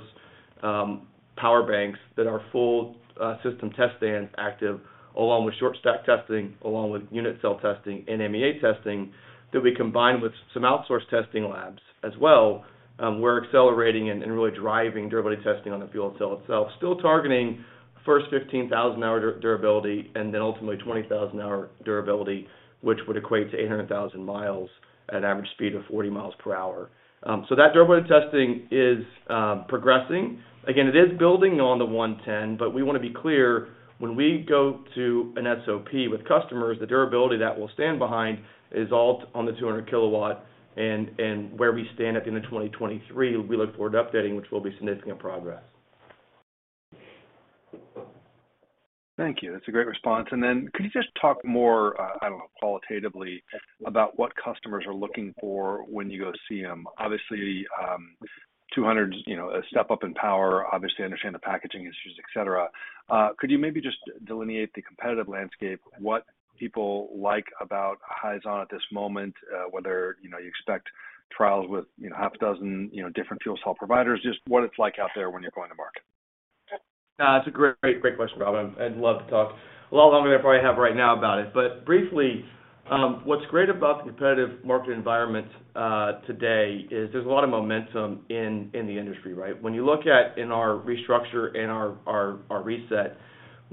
Power banks that are full, system test stand active, along with short stack testing, along with unit cell testing and MEA testing, that we combine with some outsourced testing labs as well, we're accelerating and really driving durability testing on the fuel cell itself. Still targeting first 15,000 hour durability, and then ultimately 20,000 hour durability, which would equate to 800,000 miles at an average speed of 40 miles per hour. So that durability testing is progressing. Again, it is building on the 110, but we want to be clear, when we go to an SOP with customers, the durability that we'll stand behind is all on the 200kW and where we stand at the end of 2023, we look forward to updating, which will be significant progress. Thank you. That's a great response. Could you just talk more, I don't know, qualitatively about what customers are looking for when you go see them? Obviously, 200 is, you know, a step up in power. Obviously, I understand the packaging issues, et cetera. Could you maybe just delineate the competitive landscape, what people like about Hyzon at this moment, whether, you know, you expect trials with, you know, half a dozen, you know, different fuel cell providers? Just what it's like out there when you're going to market? It's a great question. [inaudible] I'd love to talk a lot longer than I probably have right now about it. Briefly, what's great about the competitive market environment today is there's a lot of momentum in the industry, right? When you look at in our restructure and our reset,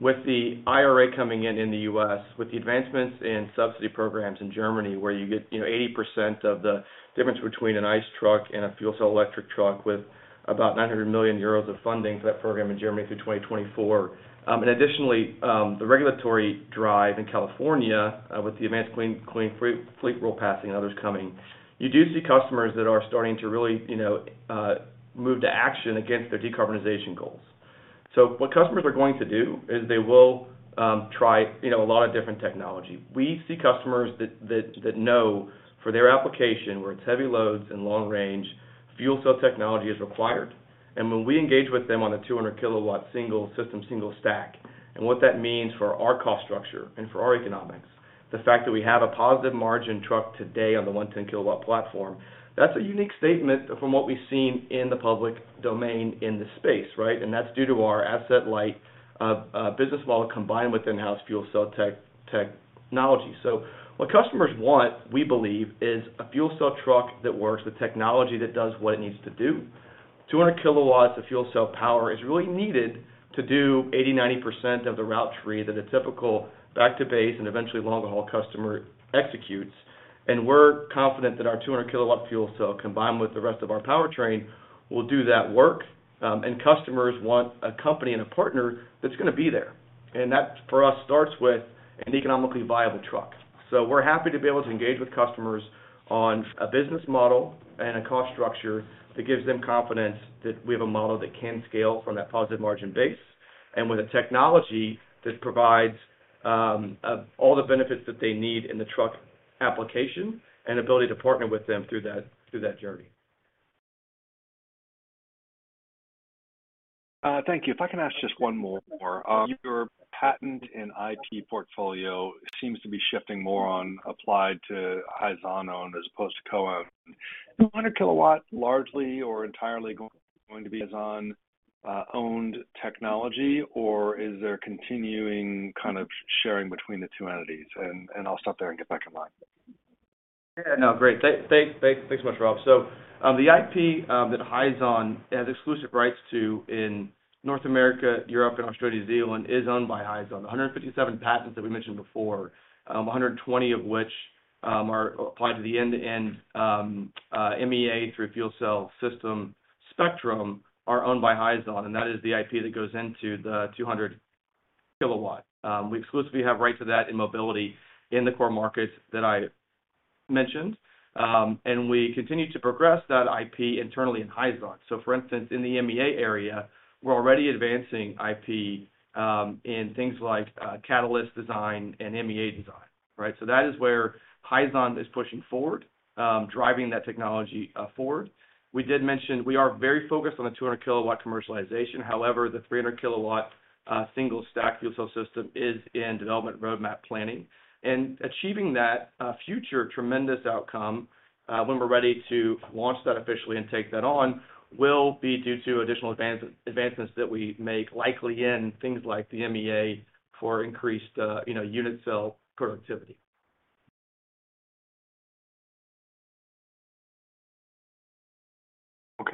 with the IRA coming in in the U.S., with the advancements in subsidy programs in Germany, where you get, you know, 80% of the difference between an ICE truck and a fuel cell electric truck, with about 900 million euros of funding for that program in Germany through 2024. Additionally, the regulatory drive in California, with the Advanced Clean Fleets passing and others coming, you do see customers that are starting to really, you know, move to action against their decarbonization goals. What customers are going to do is they will try, you know, a lot of different technology. We see customers that know for their application, where it's heavy loads and long range, fuel cell technology is required. When we engage with them on a 200kW single system, single stack, and what that means for our cost structure and for our economics, the fact that we have a positive margin truck today on the 110kW platform, that's a unique statement from what we've seen in the public domain in this space, right? That's due to our asset-light business model combined with in-house fuel cell technology. What customers want, we believe, is a fuel cell truck that works with technology that does what it needs to do. 200kW of fuel cell power is really needed to do 80%, 90% of the route tree that a typical back to base and eventually long-haul customer executes, and we're confident that our 200kW fuel cell, combined with the rest of our powertrain, will do that work. Customers want a company and a partner that's going to be there, and that, for us, starts with an economically viable truck. We're happy to be able to engage with customers on a business model and a cost structure that gives them confidence that we have a model that can scale from that positive margin base, and with a technology that provides all the benefits that they need in the truck application and ability to partner with them through that, through that journey. Thank you. If I can ask just one more. Your patent and IP portfolio seems to be shifting more on applied to Hyzon-owned as opposed to co-owned. Is the 100kW largely or entirely going to be Hyzon owned technology, or is there continuing kind of sharing between the two entities? I'll stop there and get back in line. Yeah, no, great. Thanks so much, Rob. The IP that Hyzon has exclusive rights to in North America, Europe, and Australia, New Zealand, is owned by Hyzon. The 157 patents that we mentioned before, 120 of which are applied to the end-to-end MEA through fuel cell system spectrum, are owned by Hyzon, and that is the IP that goes into the 200kW. We exclusively have rights to that in mobility in the core markets that I mentioned, and we continue to progress that IP internally in Hyzon. For instance, in the MEA area, we're already advancing IP in things like catalyst design and MEA design, right? That is where Hyzon is pushing forward, driving that technology forward. We did mention we are very focused on the 200kW commercialization. However, the 300kW single stack fuel cell system is in development roadmap planning. Achieving that future tremendous outcome, when we're ready to launch that officially and take that on, will be due to additional advancements that we make, likely in things like the MEA for increased, you know, unit cell productivity.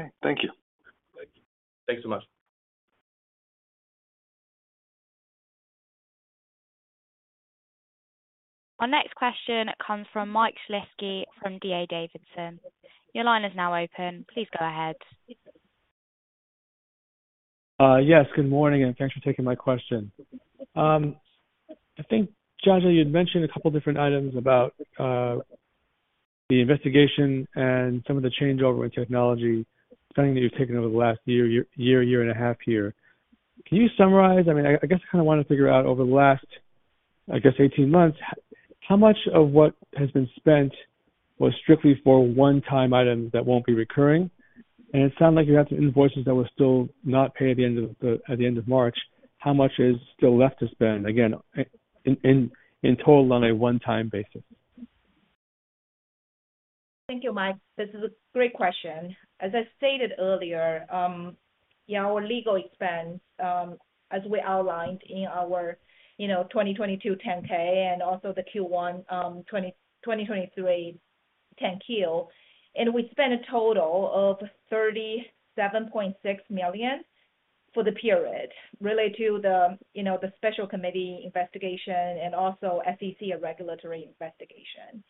Okay. Thank you. Thank you. Thanks so much. Our next question comes from Michael Shlisky from D.A. Davidson. Your line is now open. Please go ahead. Yes, good morning, and thanks for taking my question. I think, Joshua, you'd mentioned a couple different items about the investigation and some of the changeover in technology, something that you've taken over the last year and a half here. Can you summarize? I mean, I guess I kind of want to figure out over the last, I guess, 18 months, how much of what has been spent was strictly for a one-time item that won't be recurring? It sounded like you had some invoices that were still not paid at the end of March. How much is still left to spend, again, in total, on a one-time basis? Thank you, Mike. This is a great question. As I stated earlier, our legal expense, as we outlined in our, you know, 2022 10-K and also the Q1 2023 10-Q, we spent a total of $37.6 million for the period related to the, you know, the special committee investigation and also SEC and regulatory investigation.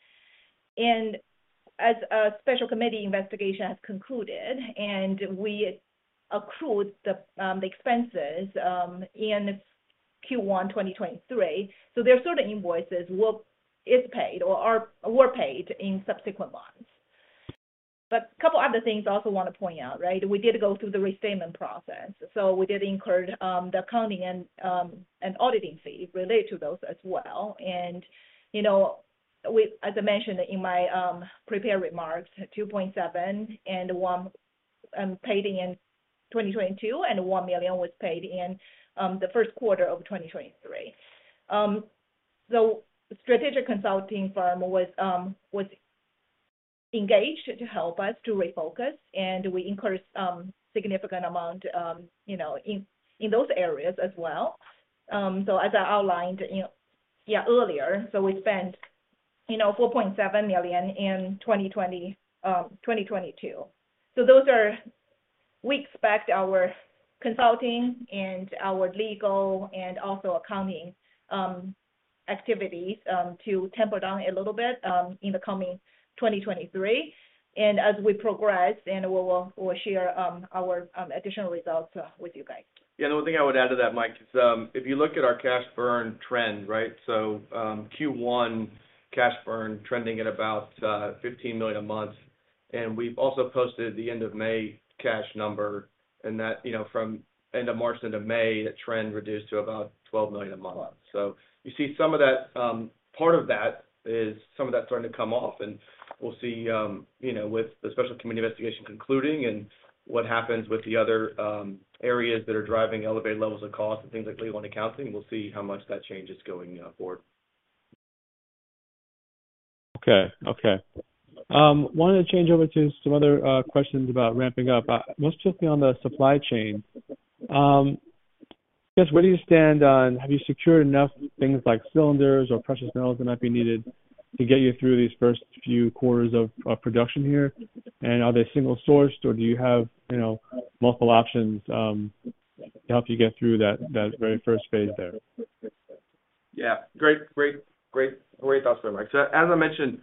As special committee investigation has concluded, we accrued the expenses in Q1 2023, so those sort of invoices were paid in subsequent months. A couple other things I also want to point out, right? We did go through the restatement process, we did incur the accounting and auditing fee related to those as well. You know, as I mentioned in my prepared remarks, $2.7 and $1 paid in 2022, and $1 million was paid in the first quarter of 2023. Strategic consulting firm was engaged to help us to refocus, and we incurred significant amount, you know, in those areas as well. As I outlined, you know, yeah, earlier, we spent, you know, $4.7 million in 2022. Those are we expect our consulting and our legal and also accounting activities to temper down a little bit in the coming 2023. As we progress, we'll share our additional results with you guys. The only thing I would add to that, Mike, is, if you look at our cash burn trend, right? Q1 cash burn trending at about $15 million a month, and we've also posted the end of May cash number, and that, you know, from end of March to end of May, the trend reduced to about $12 million a month. You see some of that, part of that is some of that starting to come off, and we'll see, you know, with the special committee investigation concluding and what happens with the other areas that are driving elevated levels of cost and things like legal and accounting, we'll see how much that change is going forward. Okay. Okay. Wanted to change over to some other questions about ramping up. Let's just be on the supply chain. Just where do you stand on, have you secured enough things like cylinders or precious metals that might be needed to get you through these first few quarters of production here? And are they single-sourced, or do you have, you know, multiple options to help you get through that very first phase there? Great, great, great thoughts there, Mike. As I mentioned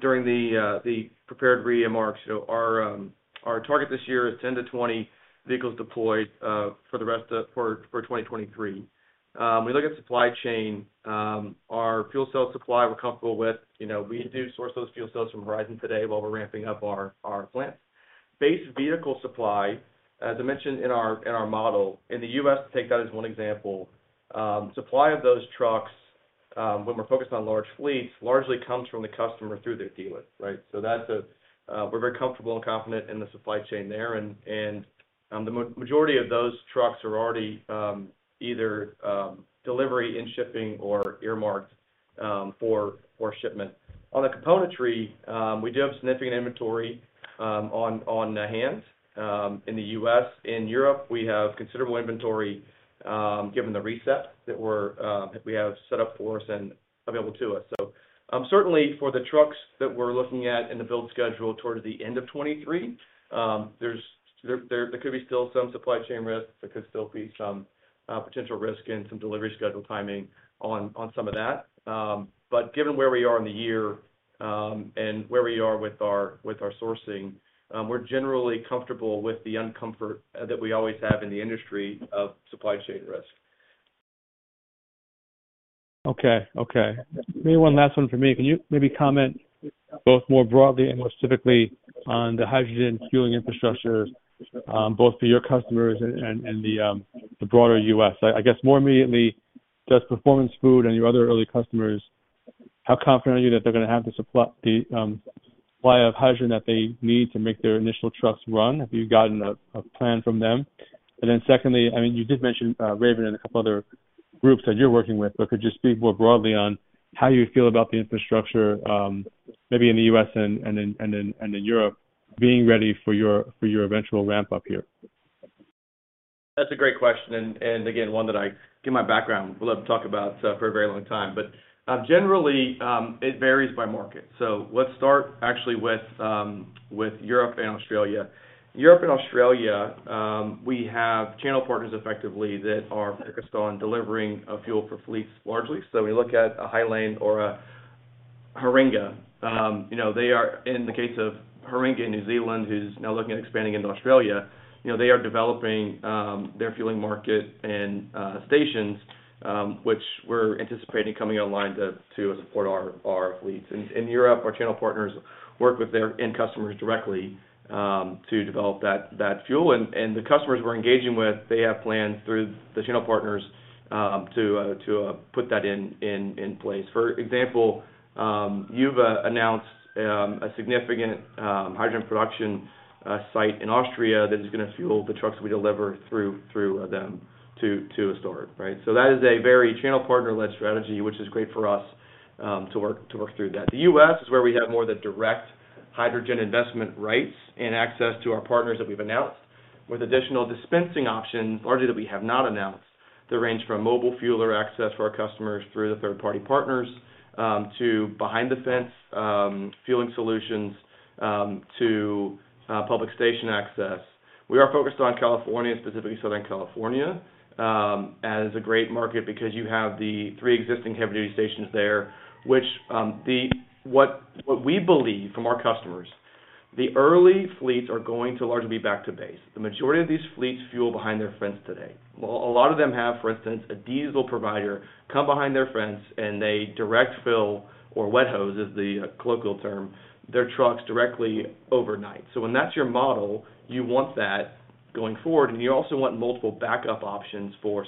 during the prepared remarks, our target this year is 10-20 vehicles deployed for the rest of 2023. We look at supply chain, our fuel cell supply, we're comfortable with. You know, we do source those fuel cells from Horizon today while we're ramping up our plants. Base vehicle supply, as I mentioned in our model, in the US, take that as one example, supply of those trucks when we're focused on large fleets, largely comes from the customer through their dealers, right? That's a we're very comfortable and confident in the supply chain there, and the majority of those trucks are already either delivery and shipping or earmarked for shipment. On the componentry, we do have significant inventory, on hand, in the U.S. In Europe, we have considerable inventory, given the reset that we have set up for us and available to us. Certainly for the trucks that we're looking at in the build schedule towards the end of 2023, there could be still some supply chain risks. There could still be some potential risk and some delivery schedule timing on some of that. Given where we are in the year, and where we are with our sourcing, we're generally comfortable with the uncomfort that we always have in the industry of supply chain risk. Okay. Okay. Maybe one last one from me. Can you maybe comment both more broadly and more specifically on the hydrogen fueling infrastructure, both for your customers and the broader U.S.? I guess more immediately, just Performance Food and your other early customers, how confident are you that they're going to have the supply of hydrogen that they need to make their initial trucks run? Have you gotten a plan from them? Secondly, I mean, you did mention Raven and a couple other groups that you're working with, but could you speak more broadly on how you feel about the infrastructure, maybe in the U.S. and in Europe, being ready for your eventual ramp-up here? That's a great question, and again, one that I, given my background, would love to talk about for a very long time. Generally, it varies by market. Let's start actually with Europe and Australia. Europe and Australia, we have channel partners effectively that are focused on delivering a fuel for fleets largely. We look at a Hiland or a Haringa. You know, they are, in the case of Haringa in New Zealand, who's now looking at expanding into Australia, you know, they are developing their fueling market and stations, which we're anticipating coming online to support our fleets. In Europe, our channel partners work with their end customers directly to develop that fuel. The customers we're engaging with, they have plans through the channel partners to put that in place. For example, you've announced a significant hydrogen production site in Austria that is going to fuel the trucks we deliver through them to store, right? That is a very channel partner-led strategy, which is great for us, to work through that. The U.S. is where we have more of the direct hydrogen investment rights and access to our partners that we've announced.... with additional dispensing options, largely that we have not announced, that range from mobile fueler access for our customers through the third-party partners, to behind the fence fueling solutions to public station access. We are focused on California, specifically Southern California, as a great market because you have the three existing heavy-duty stations there, which, what we believe from our customers, the early fleets are going to largely be back to base. The majority of these fleets fuel behind their fence today. A lot of them have, for instance, a diesel provider come behind their fence, and they direct fill, or wet hose is the colloquial term, their trucks directly overnight. When that's your model, you want that going forward, and you also want multiple backup options for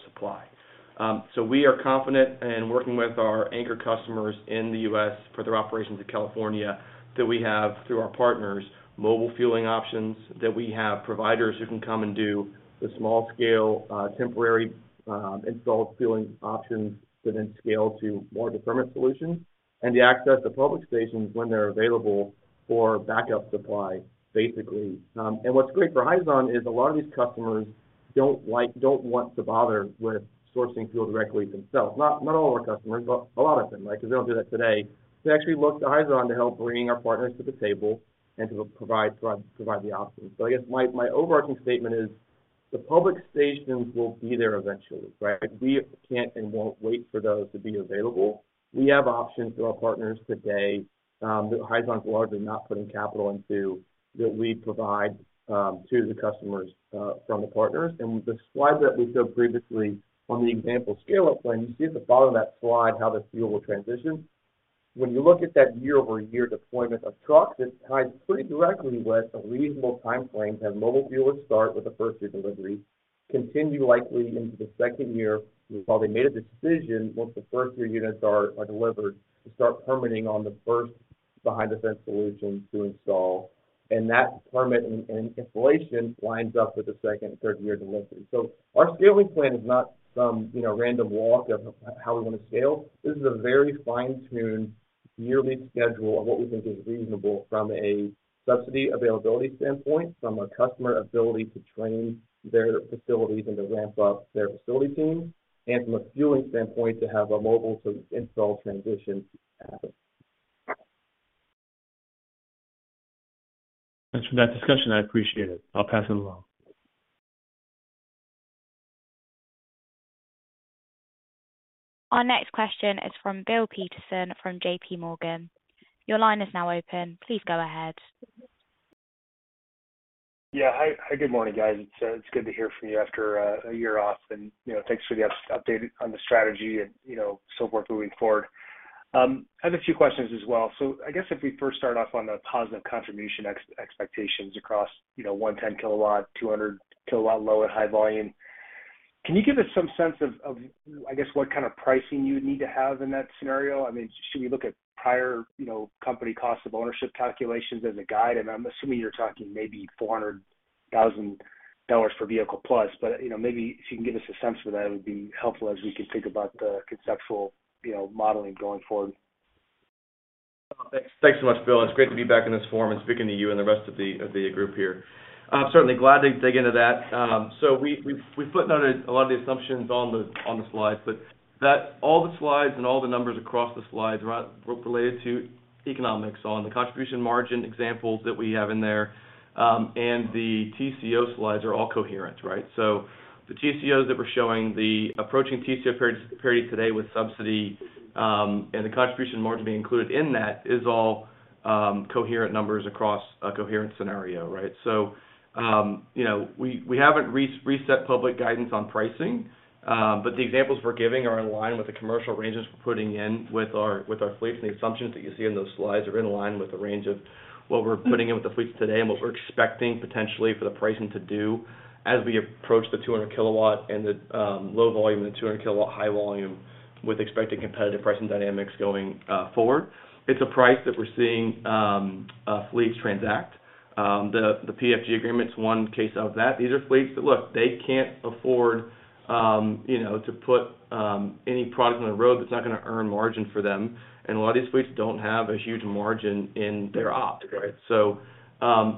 supply. We are confident in working with our anchor customers in the U.S. for their operations in California, that we have, through our partners, mobile fueling options, that we have providers who can come and do the small scale, temporary, install fueling options that then scale to more determined solutions, and the access to public stations when they're available for backup supply, basically. What's great for Hyzon is a lot of these customers don't want to bother with sourcing fuel directly themselves. Not all of our customers, but a lot of them, right? Because they don't do that today. They actually look to Hyzon to help bringing our partners to the table and to provide the options. I guess my overarching statement is, the public stations will be there eventually, right? We can't and won't wait for those to be available. We have options through our partners today, that Hyzon is largely not putting capital into, that we provide to the customers from the partners. The slide that we showed previously on the example scale-up plan, you see at the bottom of that slide how the fuel will transition. When you look at that year-over-year deployment of trucks, it ties pretty directly with a reasonable timeframe to have mobile fuelers start with the first year delivery, continue likely into the second year. We've probably made a decision once the first year units are delivered, to start permitting on the first behind-the-fence solution to install, and that permit and installation lines up with the second and third year delivery. Our scaling plan is not some, you know, random walk of how we want to scale. This is a very fine-tuned yearly schedule of what we think is reasonable from a subsidy availability standpoint, from a customer ability to train their facilities and to ramp up their facility team, and from a fueling standpoint, to have a mobile to install transition happen. Thanks for that discussion. I appreciate it. I'll pass it along. Our next question is from Bill Peterson, from JPMorgan. Your line is now open. Please go ahead. Hi. Hi, good morning, guys. It's good to hear from you after a year off. You know, thanks for the update on the strategy and, you know, so forth moving forward. I have a few questions as well. I guess if we first start off on the positive contribution expectations across, you know, 110kW, 200 kilowatt, low and high volume. Can you give us some sense of, I guess, what kind of pricing you need to have in that scenario? I mean, should we look at prior, you know, company cost of ownership calculations as a guide? I'm assuming you're talking maybe $400,000 per vehicle plus. You know, maybe if you can give us a sense for that, it would be helpful as we can think about the conceptual, you know, modeling going forward. Thanks. Thanks so much, Bill. It's great to be back in this forum and speaking to you and the rest of the group here. I'm certainly glad to dig into that. We've put down a lot of the assumptions on the slides, but that all the slides and all the numbers across the slides are related to economics. On the contribution margin examples that we have in there, the TCO slides are all coherent, right? The TCOs that we're showing, the approaching TCO period today with subsidy, the contribution margin being included in that, is all coherent numbers across a coherent scenario, right? You know, we haven't reset public guidance on pricing, but the examples we're giving are in line with the commercial ranges we're putting in with our fleets. The assumptions that you see in those slides are in line with the range of what we're putting in with the fleets today and what we're expecting potentially for the pricing to do as we approach the 200kW and the low volume and the 200kW high volume, with expected competitive pricing dynamics going forward. It's a price that we're seeing fleets transact. The PFG agreement is one case of that. These are fleets that... Look, they can't afford, you know, to put any product on the road that's not gonna earn margin for them, and a lot of these fleets don't have a huge margin in their opt, right?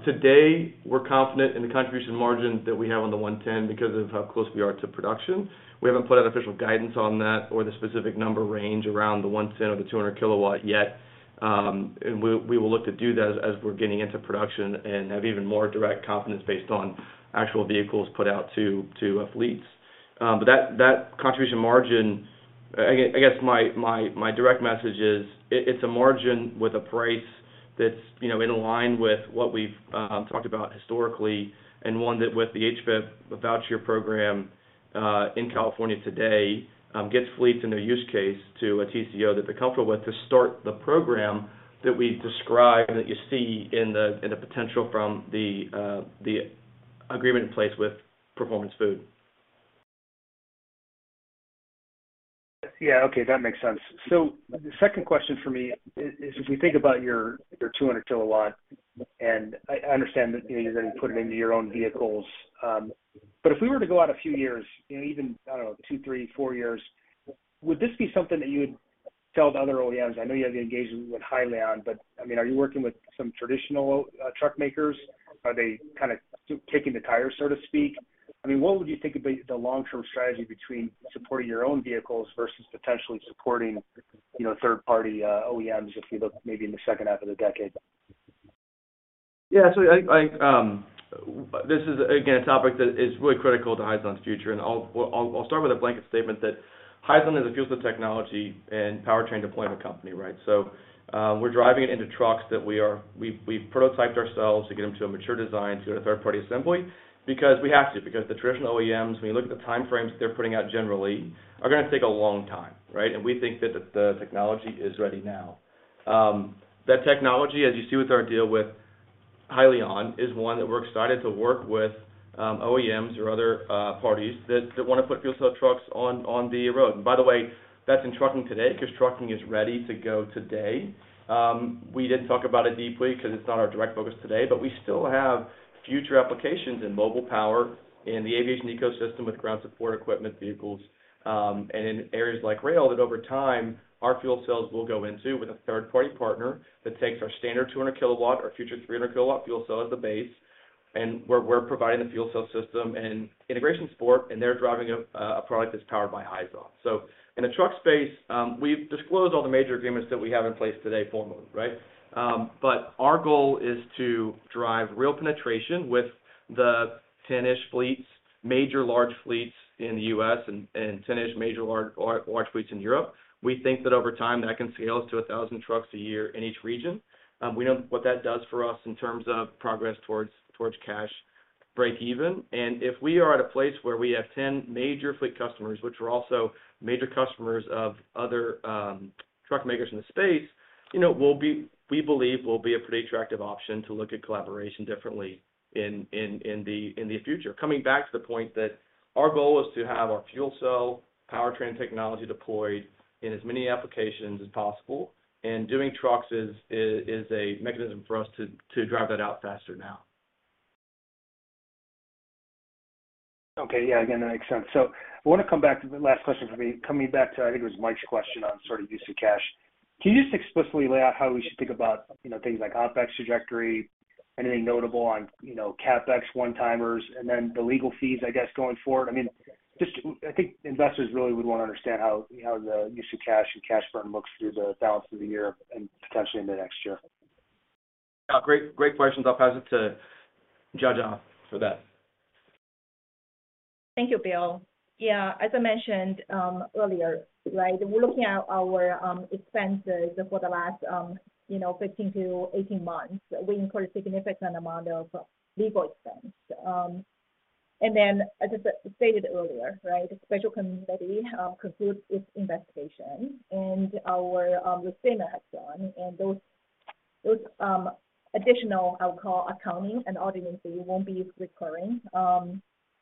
Today, we're confident in the contribution margins that we have on the 110 because of how close we are to production. We haven't put out official guidance on that or the specific number range around the 110 or the 200kW yet. We will look to do that as we're getting into production and have even more direct confidence based on actual vehicles put out to our fleets. That contribution margin, I guess my direct message is, it's a margin with a price that's, you know, in line with what we've talked about historically, and one that with the HVIP, the voucher program, in California today, gets fleets in their use case to a TCO that they're comfortable with to start the program that we describe and that you see in the potential from the agreement in place with Performance Food. Yeah, okay. That makes sense. The second question for me is, if we think about your 200kW, and I understand that you're going to put it into your own vehicles, but if we were to go out a few years, you know, even, I don't know, 2, 3, 4 years, would this be something that you would Tell the other OEMs, I know you have the engagement with Hyliion, but, I mean, are you working with some traditional truck makers? Are they kind of kicking the tires, so to speak? I mean, what would you think about the long-term strategy between supporting your own vehicles versus potentially supporting, you know, third-party OEMs, if you look maybe in the second half of the decade? Yeah, I, this is, again, a topic that is really critical to Hyzon's future, and I'll start with a blanket statement, that Hyzon is a fuel cell technology and powertrain deployment company, right? We're driving it into trucks that we've prototyped ourselves to get them to a mature design to a third-party assembly because we have to, because the traditional OEMs, when you look at the time frames they're putting out generally, are gonna take a long time, right? We think that the technology is ready now. That technology, as you see with our deal with Hyliion, is one that we're excited to work with OEMs or other parties that wanna put fuel cell trucks on the road. By the way, that's in trucking today, because trucking is ready to go today. We didn't talk about it deeply because it's not our direct focus today, but we still have future applications in mobile power, in the aviation ecosystem with ground support equipment vehicles, and in areas like rail, that over time, our fuel cells will go into with a third-party partner, that takes our standard 200kW, our future 300kW fuel cell as a base, and we're providing the fuel cell system and integration support, and they're driving a product that's powered by Hyzon. In the truck space, we've disclosed all the major agreements that we have in place today formally, right? Our goal is to drive real penetration with the 10-ish fleets, major large fleets in the U.S. and 10-ish major large fleets in Europe. We think that over time, that can scale to 1,000 trucks a year in each region. We know what that does for us in terms of progress towards cash breakeven. If we are at a place where we have 10 major fleet customers, which are also major customers of other truck makers in the space, you know, we believe we'll be a pretty attractive option to look at collaboration differently in the future. Coming back to the point that our goal is to have our fuel cell powertrain technology deployed in as many applications as possible, doing trucks is a mechanism for us to drive that out faster now. Okay. Yeah, again, that makes sense. I wanna come back to the last question for me, coming back to, I think it was Mike's question on sort of use of cash. Can you just explicitly lay out how we should think about, you know, things like OpEx trajectory, anything notable on, you know, CapEx, one-timers, and then the legal fees, I guess, going forward? I mean, just, I think investors really would wanna understand how, you know, the use of cash and cash burn looks through the balance of the year and potentially into next year. Yeah, great questions. I'll pass it to Jiajia for that. Thank you, Bill. Yeah, as I mentioned, earlier, right, we're looking at our expenses for the last, you know, 15 to 18 months. We incurred a significant amount of legal expense. As I stated earlier, right, a special committee concludes its investigation, and our retainers are done, and those additional, I'll call, accounting and auditing fees won't be recurring.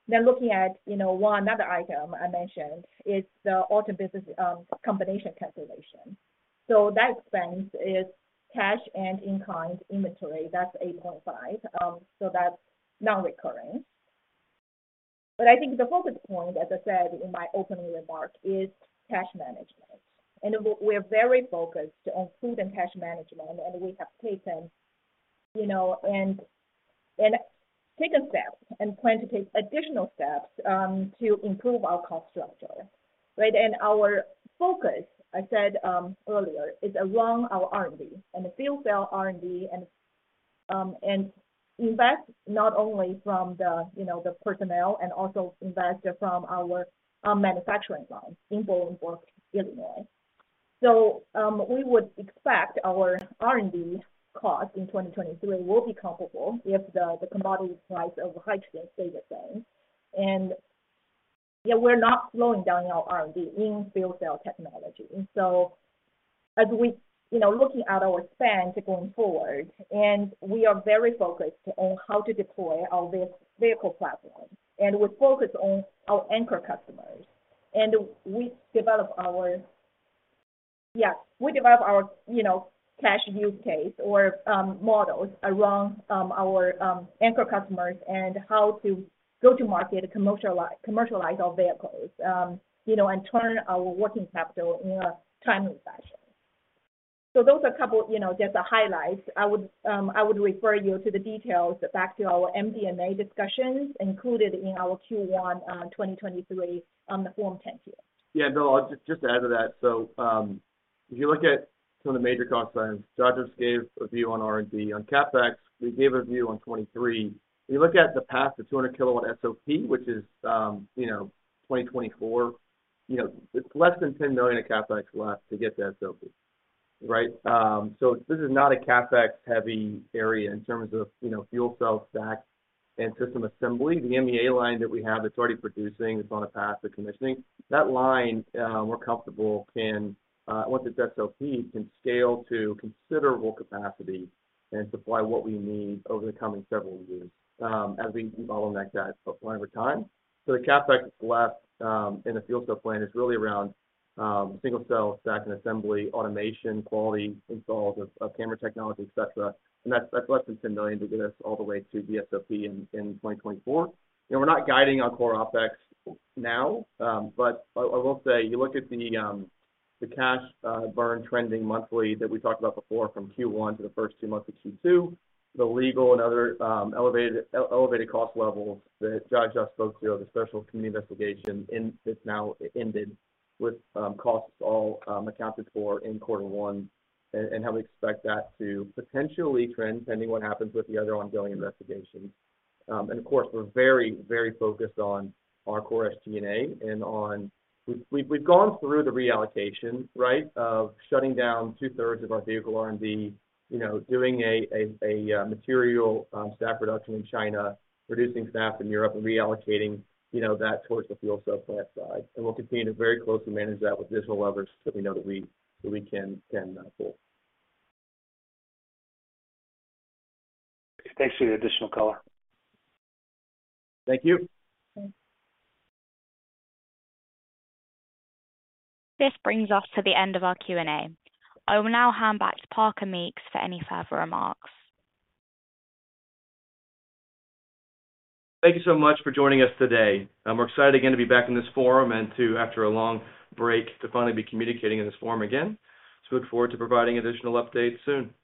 Looking at, you know, one other item I mentioned, is the auto business combination cancellation. That expense is cash and in-kind inventory, that's $8.5, so that's non-recurring. I think the focus point, as I said in my opening remarks, is cash management, and we're very focused on improving cash management, and we have taken, you know, and taken steps and plan to take additional steps to improve our cost structure, right? Our focus, I said earlier, is around our R&D, and the fuel cell R&D, and invest not only from the, you know, the personnel, and also invest from our manufacturing line in Bolingbrook, Illinois. We would expect our R&D cost in 2023 will be comparable if the commodity price of hydrogen stays the same. Yeah, we're not slowing down our R&D in fuel cell technology. As we, you know, looking at our spend going forward, and we are very focused on how to deploy our vehicle platform, and we're focused on our anchor customers, and we develop our... Yeah, we develop our, you know, cash use case or models around our anchor customers and how to go to market to commercialize our vehicles, you know, and turn our working capital in a timely fashion. Those are a couple, you know, just the highlights. I would refer you to the details back to our MD&A discussions included in our Q1, 2023, Form 10-Q. Yeah, Bill, I'll just add to that. If you look at some of the major cost items, Jiajia just gave a view on R&D. On CapEx, we gave a view on 2023. If you look at the path to 200kW SOP, which is, you know, 2024, you know, it's less than $10 million of CapEx left to get to SOP, right? This is not a CapEx-heavy area in terms of, you know, fuel cell stack and system assembly. The MEA line that we have that's already producing, it's on a path to commissioning, that line, we're comfortable, can, once it's SOP, can scale to considerable capacity and supply what we need over the coming several years, as we bottleneck that plan over time. The CapEx that's left in the fuel cell plan is really around single-cell stack and assembly, automation, quality, installs of camera technology, et cetera, and that's less than $10 million to get us all the way to the SOP in 2024. You know, we're not guiding our core OpEx now, but I will say, you look at the cash burn trending monthly that we talked about before, from Q1 to the first two months of Q2, the legal and other elevated cost levels that Jiajia spoke to, the special committee investigation it's now ended, with costs all accounted for in quarter one, and how we expect that to potentially trend, pending what happens with the other ongoing investigations. Of course, we're very focused on our core SG&A and on... We've gone through the reallocation, right, of shutting down two-thirds of our vehicle R&D, you know, doing a material staff reduction in China, reducing staff in Europe, and reallocating, you know, that towards the fuel cell plant side. We'll continue to very closely manage that with additional levers that we know that we can pull. Thanks for your additional color. Thank you. Thanks. This brings us to the end of our Q&A. I will now hand back to Parker Meeks for any further remarks. Thank you so much for joining us today. We're excited again to be back in this forum and to, after a long break, to finally be communicating in this forum again. Look forward to providing additional updates soon. Take care.